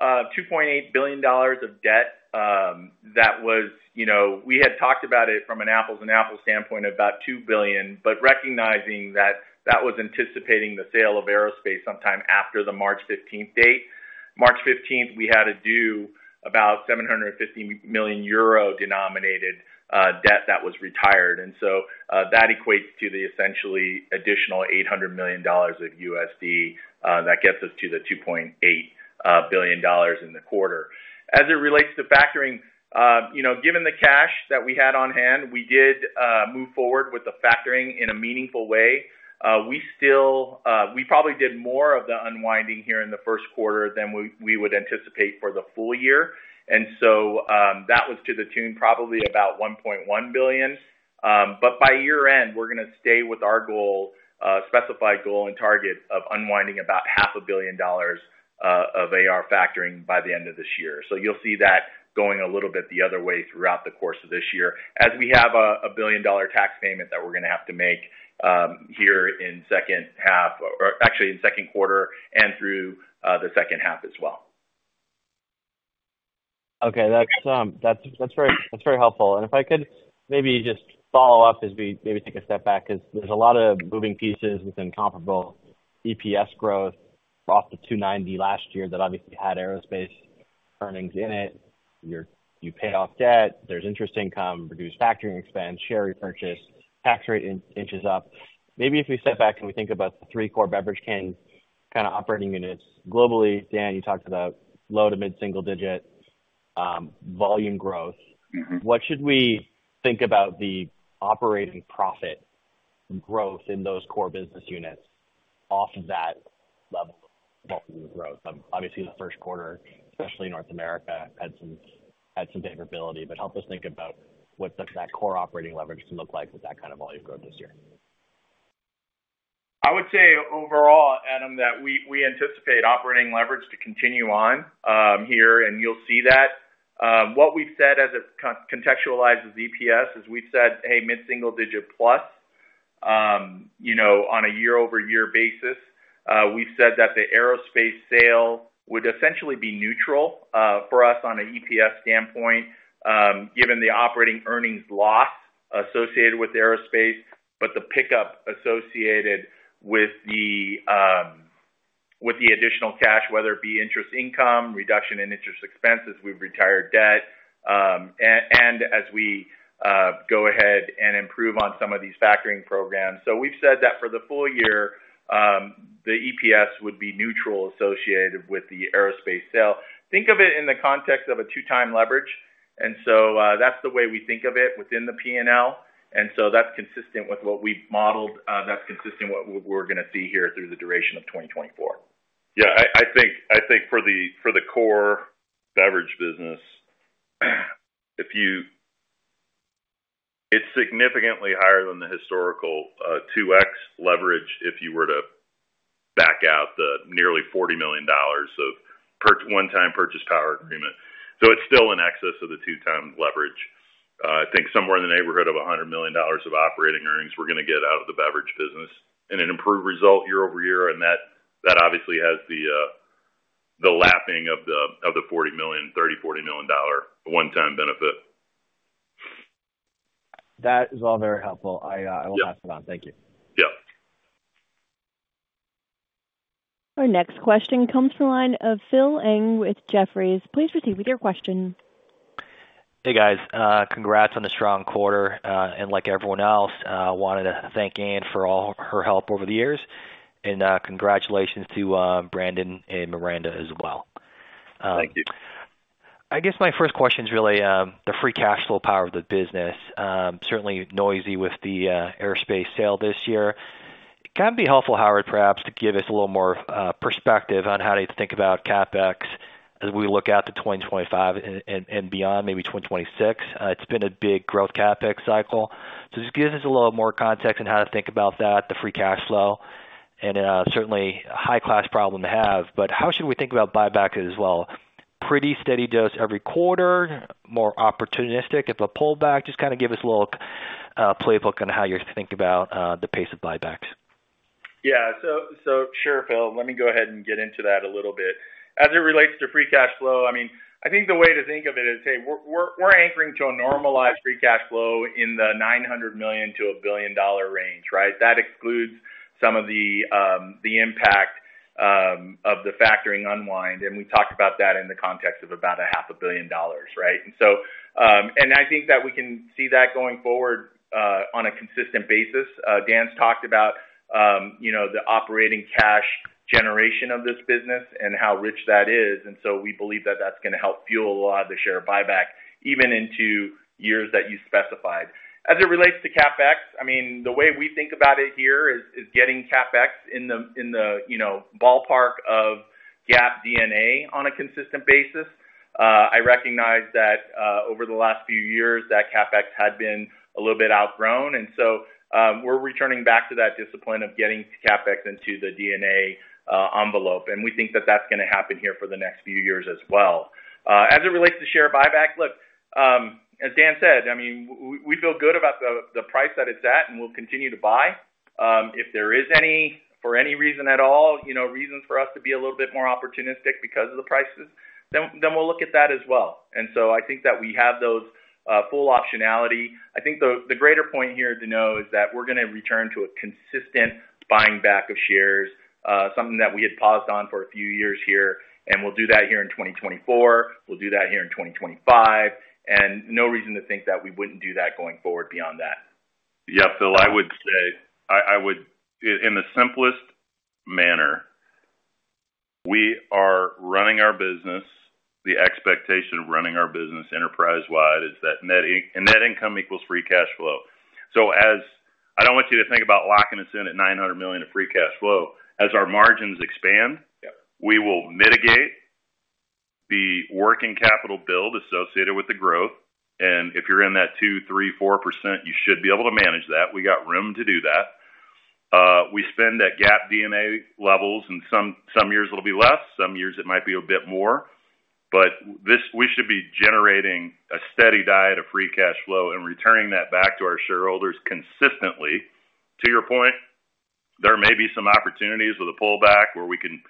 $2.8 billion of debt. That was, you know, we had talked about it from an apples and apples standpoint of about $2 billion, but recognizing that that was anticipating the sale of aerospace sometime after the March fifteenth date. March fifteenth, we had to do about 750 million euro-denominated debt that was retired, and so that equates to essentially additional $800 million of USD that gets us to the $2.8 billion in the quarter. As it relates to factoring, you know, given the cash that we had on hand, we did move forward with the factoring in a meaningful way. We still, we probably did more of the unwinding here in the first quarter than we would anticipate for the full year. And so, that was to the tune, probably about $1.1 billion. But by year-end, we're gonna stay with our goal, specified goal, and target of unwinding about $500 million of AR factoring by the end of this year. So you'll see that going a little bit the other way throughout the course of this year, as we have a billion-dollar tax payment that we're gonna have to make here in second half, or actually in second quarter and through the second half as well. Okay, that's very helpful. And if I could maybe just follow up as we maybe take a step back, 'cause there's a lot of moving pieces within comparable EPS growth off the $2.90 last year that obviously had aerospace earnings in it. You pay off debt, there's interest income, reduced factoring expense, share repurchase, tax rate inches up. Maybe if we step back and we think about the three core beverage can kind of operating units globally. Dan, you talked about low- to mid-single-digit volume growth. Mm-hmm. What should we think about the operating profit growth in those core business units off of that level of volume growth? Obviously, the first quarter, especially in North America, had some favorability, but help us think about what does that core operating leverage look like with that kind of volume growth this year? I would say overall, Adam, that we anticipate operating leverage to continue on here, and you'll see that. What we've said as it contextualizes EPS is, we've said, "Hey, mid-single digit plus," you know, on a year-over-year basis. We've said that the aerospace sale would essentially be neutral for us on an EPS standpoint, given the operating earnings loss associated with aerospace, but the pickup associated with the additional cash, whether it be interest income, reduction in interest expenses, we've retired debt, and as we go ahead and improve on some of these factoring programs. So we've said that for the full year, the EPS would be neutral associated with the aerospace sale. Think of it in the context of a 2x leverage, and so, that's the way we think of it within the P&L, and so that's consistent with what we've modeled, that's consistent with what we're gonna see here through the duration of 2024. Yeah, I think for the core beverage business, if you... It's significantly higher than the historical 2x leverage if you were to back out the nearly $40 million of one-time power purchase agreement. So it's still in excess of the 2x leverage. I think somewhere in the neighborhood of $100 million of operating earnings, we're gonna get out of the beverage business in an improved result year-over-year, and that obviously has the lapping of a one-time benefit. That is all very helpful. I Yeah. I will pass it on. Thank you. Yeah. Our next question comes from the line of Phil Ng with Jefferies. Please proceed with your question. Hey, guys. Congrats on the strong quarter, and like everyone else, wanted to thank Ann for all her help over the years. Congratulations to Brandon and Miranda as well. Thank you. I guess my first question is really, the free cash flow power of the business. Certainly noisy with the aerospace sale this year. It can be helpful, Howard, perhaps to give us a little more perspective on how to think about CapEx as we look out to 2025 and beyond, maybe 2026. It's been a big growth CapEx cycle. So just give us a little more context on how to think about that, the free cash flow, and certainly a high-class problem to have, but how should we think about buyback as well? Pretty steady dose every quarter, more opportunistic if a pullback. Just kind of give us a little playbook on how you think about the pace of buybacks. Yeah. So, so sure, Phil, let me go ahead and get into that a little bit. As it relates to free cash flow, I mean, I think the way to think of it is, hey, we're anchoring to a normalized free cash flow in the $900 million-$1 billion range, right? That excludes some of the, the impact, of the factoring unwind, and we talked about that in the context of about $500 million, right? And so, and I think that we can see that going forward, on a consistent basis. Dan's talked about, you know, the operating cash generation of this business and how rich that is, and so we believe that that's gonna help fuel a lot of the share buyback, even into years that you specified. As it relates to CapEx, I mean, the way we think about it here is getting CapEx in the, in the, you know, ballpark of GAAP D&A on a consistent basis. I recognize that, over the last few years, that CapEx had been a little bit outgrown, and so, we're returning back to that discipline of getting CapEx into the D&A envelope, and we think that that's gonna happen here for the next few years as well. As it relates to share buyback, look, as Dan said, I mean, we feel good about the, the price that it's at, and we'll continue to buy. If there is any, for any reason at all, you know, reasons for us to be a little bit more opportunistic because of the prices, then, we'll look at that as well. I think that we have those full optionality. I think the greater point here to know is that we're gonna return to a consistent buying back of shares, something that we had paused on for a few years here, and we'll do that here in 2024, we'll do that here in 2025, and no reason to think that we wouldn't do that going forward beyond that. Yeah, Phil, I would say in the simplest manner, we are running our business. The expectation of running our business enterprise-wide is that net income equals free cash flow. So as I don't want you to think about locking us in at $900 million of free cash flow. As our margins expand- Yeah... we will mitigate the working capital build associated with the growth. And if you're in that 2%-4%, you should be able to manage that. We got room to do that. We spend at GAAP D&A levels, and some years it'll be less, some years it might be a bit more, but this, we should be generating a steady diet of free cash flow and returning that back to our shareholders consistently. To your point, there may be some opportunities with a pullback where we can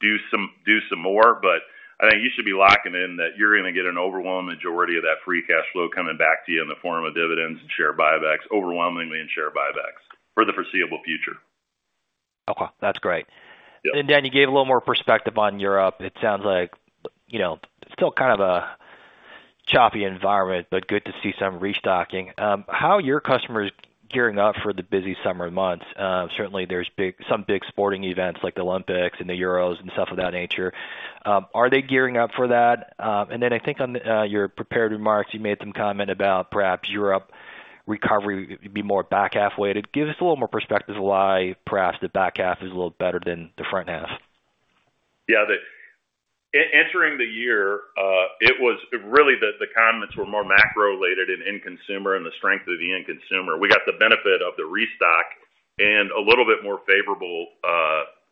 do some more, but I think you should be locking in that you're gonna get an overwhelming majority of that free cash flow coming back to you in the form of dividends and share buybacks, overwhelmingly in share buybacks, for the foreseeable future. Okay, that's great. Yeah. Dan, you gave a little more perspective on Europe. It sounds like, you know, still kind of a choppy environment, but good to see some restocking. How are your customers gearing up for the busy summer months? Certainly there's some big sporting events like the Olympics and the Euros and stuff of that nature. Are they gearing up for that? And then I think on your prepared remarks, you made some comment about perhaps Europe recovery will be more back half-weighted. Give us a little more perspective of why, perhaps, the back half is a little better than the front half. Yeah, entering the year, it was really the comments were more macro-related in end consumer and the strength of the end consumer. We got the benefit of the restock and a little bit more favorable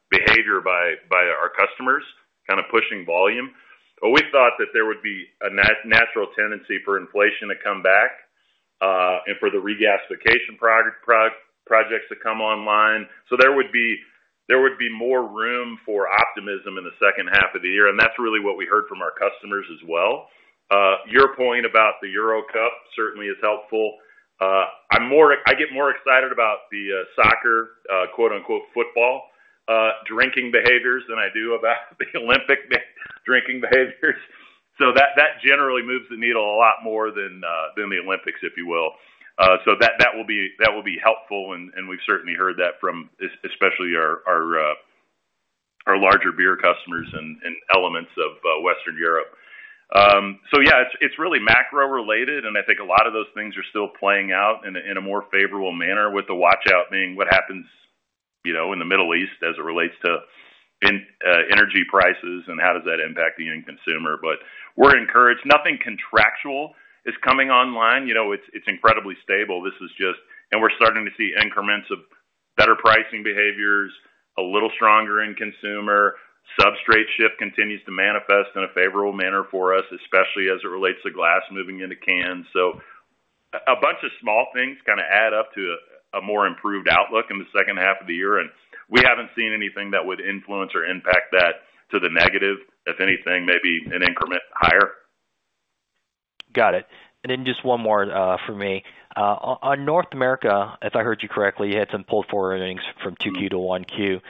behavior by our customers, kind of pushing volume. But we thought that there would be a natural tendency for inflation to come back, and for the regasification projects to come online. So there would be more room for optimism in the second half of the year, and that's really what we heard from our customers as well. Your point about the Euro Cup certainly is helpful. I get more excited about the soccer, quote-unquote, "football," drinking behaviors than I do about the Olympic drinking behaviors. So that, that generally moves the needle a lot more than, than the Olympics, if you will. So that, that will be, that will be helpful, and, and we've certainly heard that from especially our, our, our larger beer customers and, and elements of, Western Europe. So yeah, it's, it's really macro-related, and I think a lot of those things are still playing out in a, in a more favorable manner with the watch-out being what happens, you know, in the Middle East as it relates to energy prices, and how does that impact the end consumer? But we're encouraged. Nothing contractual is coming online. You know, it's, it's incredibly stable. This is just. And we're starting to see increments of better pricing behaviors, a little stronger end consumer. Substrate shift continues to manifest in a favorable manner for us, especially as it relates to glass moving into cans. A bunch of small things kind of add up to a more improved outlook in the second half of the year, and we haven't seen anything that would influence or impact that to the negative. If anything, maybe an increment higher. Got it. And then just one more for me. In North America, if I heard you correctly, you had some pulled forward earnings from Q2-Q1.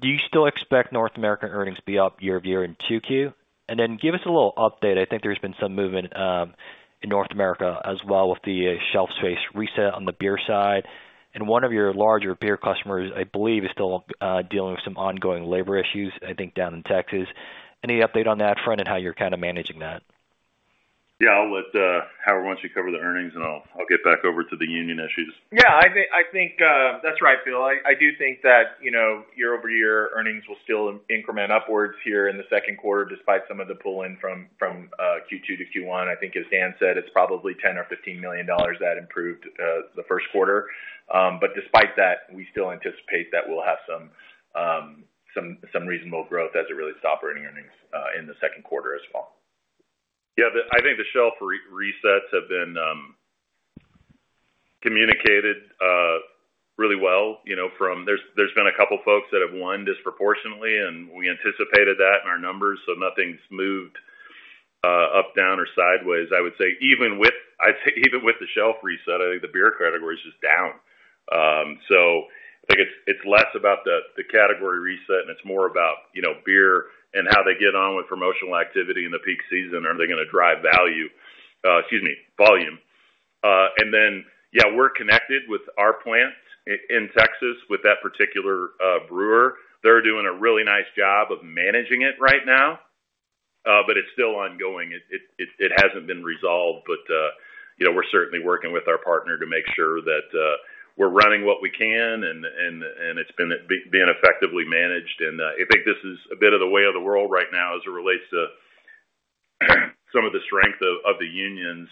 Do you still expect North American earnings to be up year-over-year in Q2? And then give us a little update. I think there's been some movement in North America as well with the shelf space reset on the beer side. And one of your larger beer customers, I believe, is still dealing with some ongoing labor issues, I think, down in Texas. Any update on that front and how you're kind of managing that? Yeah, I'll let Howard, once you cover the earnings, and I'll get back over to the union issues. Yeah, I think, I think, that's right, Phil. I, I do think that, you know, year-over-year earnings will still increment upwards here in the second quarter, despite some of the pull-in from Q2-Q1. I think as Dan said, it's probably $10 million or $15 million that improved the first quarter. But despite that, we still anticipate that we'll have some reasonable growth as it relates to operating earnings in the second quarter as well. Yeah, I think the shelf resets have been communicated really well, you know, from... There's been a couple folks that have won disproportionately, and we anticipated that in our numbers, so nothing's moved up, down, or sideways. I would say even with, I'd say even with the shelf reset, I think the beer category is just down. So I think it's less about the category reset, and it's more about, you know, beer and how they get on with promotional activity in the peak season. Are they gonna drive value, excuse me, volume? And then, yeah, we're connected with our plant in Texas with that particular brewer. They're doing a really nice job of managing it right now, but it's still ongoing. It hasn't been resolved, but you know, we're certainly working with our partner to make sure that we're running what we can and it's being effectively managed. And I think this is a bit of the way of the world right now as it relates to some of the strength of the unions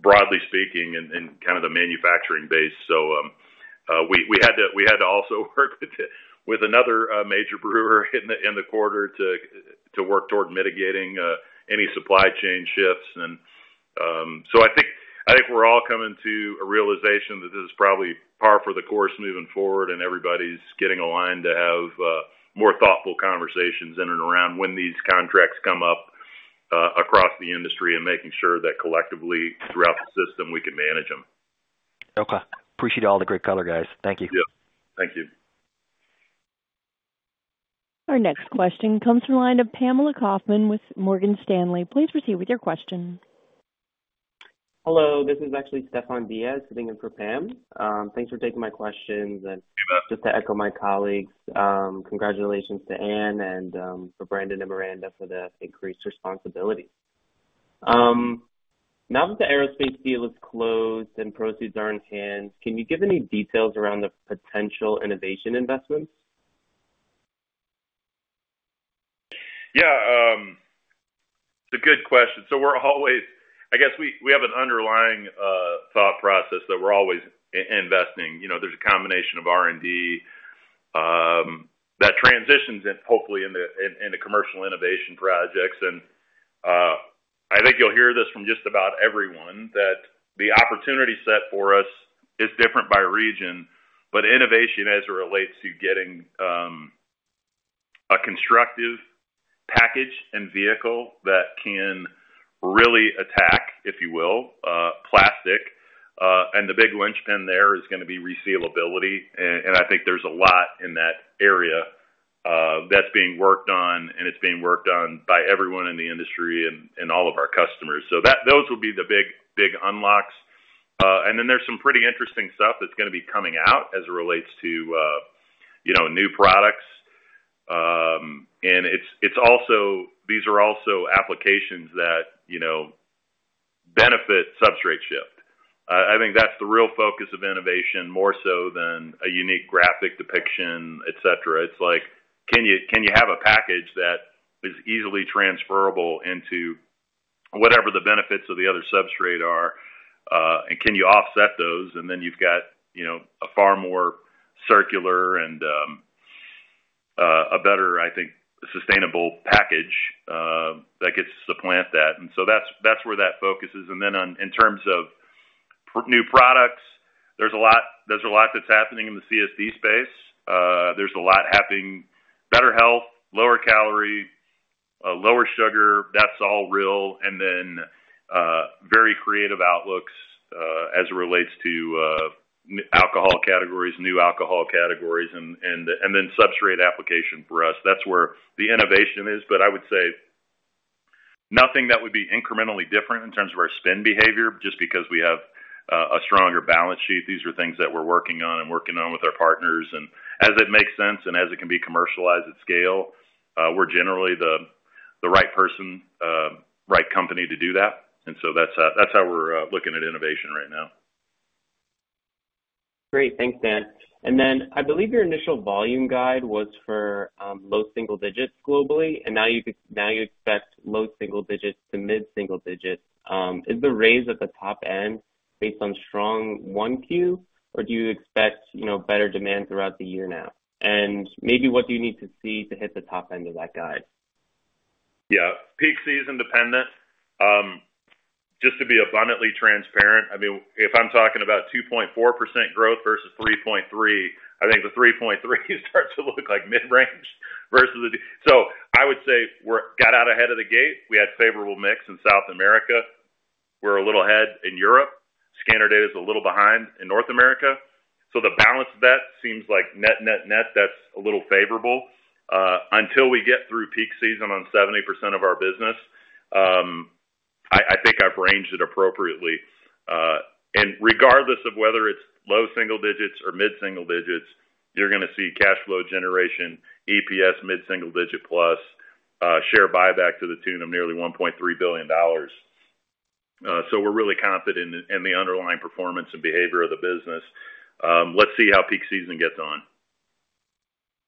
broadly speaking and kind of the manufacturing base. So we had to also work with another major brewer in the quarter to work toward mitigating any supply chain shifts. I think, I think we're all coming to a realization that this is probably par for the course moving forward, and everybody's getting aligned to have more thoughtful conversations in and around when these contracts come up across the industry, and making sure that collectively, throughout the system, we can manage them. Okay. Appreciate all the great color, guys. Thank you. Yep. Thank you. Our next question comes from the line of Pamela Kaufman with Morgan Stanley. Please proceed with your question. Hello, this is actually Stefan Diaz sitting in for Pam. Thanks for taking my questions. Just to echo my colleagues, congratulations to Ann and, for Brandon and Miranda for the increased responsibility. Now that the aerospace deal is closed and proceeds are in hand, can you give any details around the potential innovation investments? Yeah, it's a good question. So we're always. I guess we have an underlying thought process that we're always investing. You know, there's a combination of R&D that transitions in, hopefully, into commercial innovation projects. And I think you'll hear this from just about everyone, that the opportunity set for us is different by region, but innovation as it relates to getting a constructive package and vehicle that can really attack, if you will, plastic. And the big linchpin there is gonna be resealability, and I think there's a lot in that area that's being worked on, and it's being worked on by everyone in the industry and all of our customers. So that, those will be the big, big unlocks. And then there's some pretty interesting stuff that's gonna be coming out as it relates to, you know, new products. And it's also these are also applications that, you know, benefit substrate shift. I think that's the real focus of innovation, more so than a unique graphic depiction, et cetera. It's like, can you, can you have a package that is easily transferable into whatever the benefits of the other substrate are, and can you offset those? And then you've got, you know, a far more circular and a better, I think, sustainable package that gets to supplant that. And so that's, that's where that focus is. And then in terms of new products, there's a lot, there's a lot that's happening in the CSD space. There's a lot happening, better health, lower calorie, lower sugar: that's all real. And then, very creative outlooks, as it relates to, alcohol categories, new alcohol categories, and, and, and then substrate application for us. That's where the innovation is. But I would say nothing that would be incrementally different in terms of our spend behavior, just because we have, a stronger balance sheet. These are things that we're working on and working on with our partners. And as it makes sense, and as it can be commercialized at scale, we're generally the, the right person, right company to do that. And so that's, that's how we're, looking at innovation right now. Great. Thanks, Dan. And then I believe your initial volume guide was for low single digits globally, and now you expect low single digits to mid single digits. Is the raise at the top end based on strong Q1, or do you expect, you know, better demand throughout the year now? And maybe what do you need to see to hit the top end of that guide?... Yeah, peak season dependent. Just to be abundantly transparent, I mean, if I'm talking about 2.4% growth versus 3.3%, I think the 3.3% starts to look like mid-range versus the—so I would say we're got out ahead of the gate. We had favorable mix in South America. We're a little ahead in Europe. Scanner data is a little behind in North America, so the balance of that seems like net, net, net, that's a little favorable. Until we get through peak season on 70% of our business, I think I've ranged it appropriately. And regardless of whether it's low single digits or mid-single digits, you're gonna see cash flow generation, EPS mid-single digit plus, share buyback to the tune of nearly $1.3 billion. So we're really confident in the underlying performance and behavior of the business. Let's see how peak season gets on.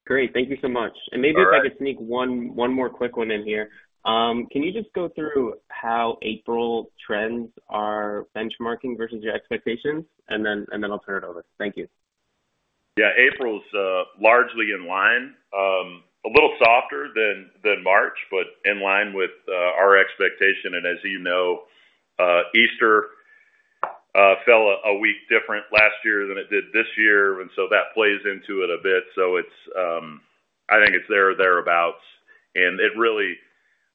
Great. Thank you so much. All right. Maybe if I could sneak one, one more quick one in here. Can you just go through how April trends are benchmarking versus your expectations? And then, and then I'll turn it over. Thank you. Yeah. April's largely in line. A little softer than March, but in line with our expectation. And as you know, Easter fell a week different last year than it did this year, and so that plays into it a bit. So it's, I think it's there or thereabouts, and it really...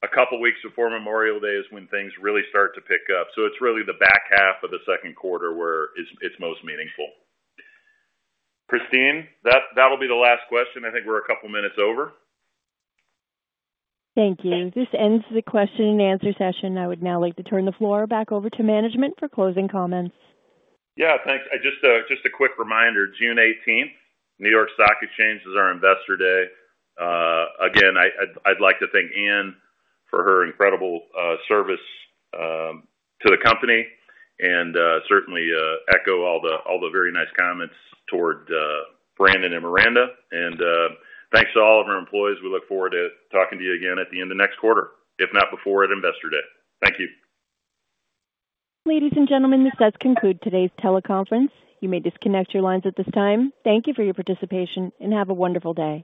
A couple of weeks before Memorial Day is when things really start to pick up. So it's really the back half of the second quarter where it's most meaningful. Christine, that'll be the last question. I think we're a couple minutes over. Thank you. This ends the question and answer session. I would now like to turn the floor back over to management for closing comments. Yeah, thanks. Just a quick reminder, June 18, New York Stock Exchange is our Investor Day. Again, I'd like to thank Ann for her incredible service to the company, and certainly echo all the very nice comments toward Brandon and Miranda. Thanks to all of our employees. We look forward to talking to you again at the end of next quarter, if not before, at Investor Day. Thank you. Ladies and gentlemen, this does conclude today's teleconference. You may disconnect your lines at this time. Thank you for your participation, and have a wonderful day.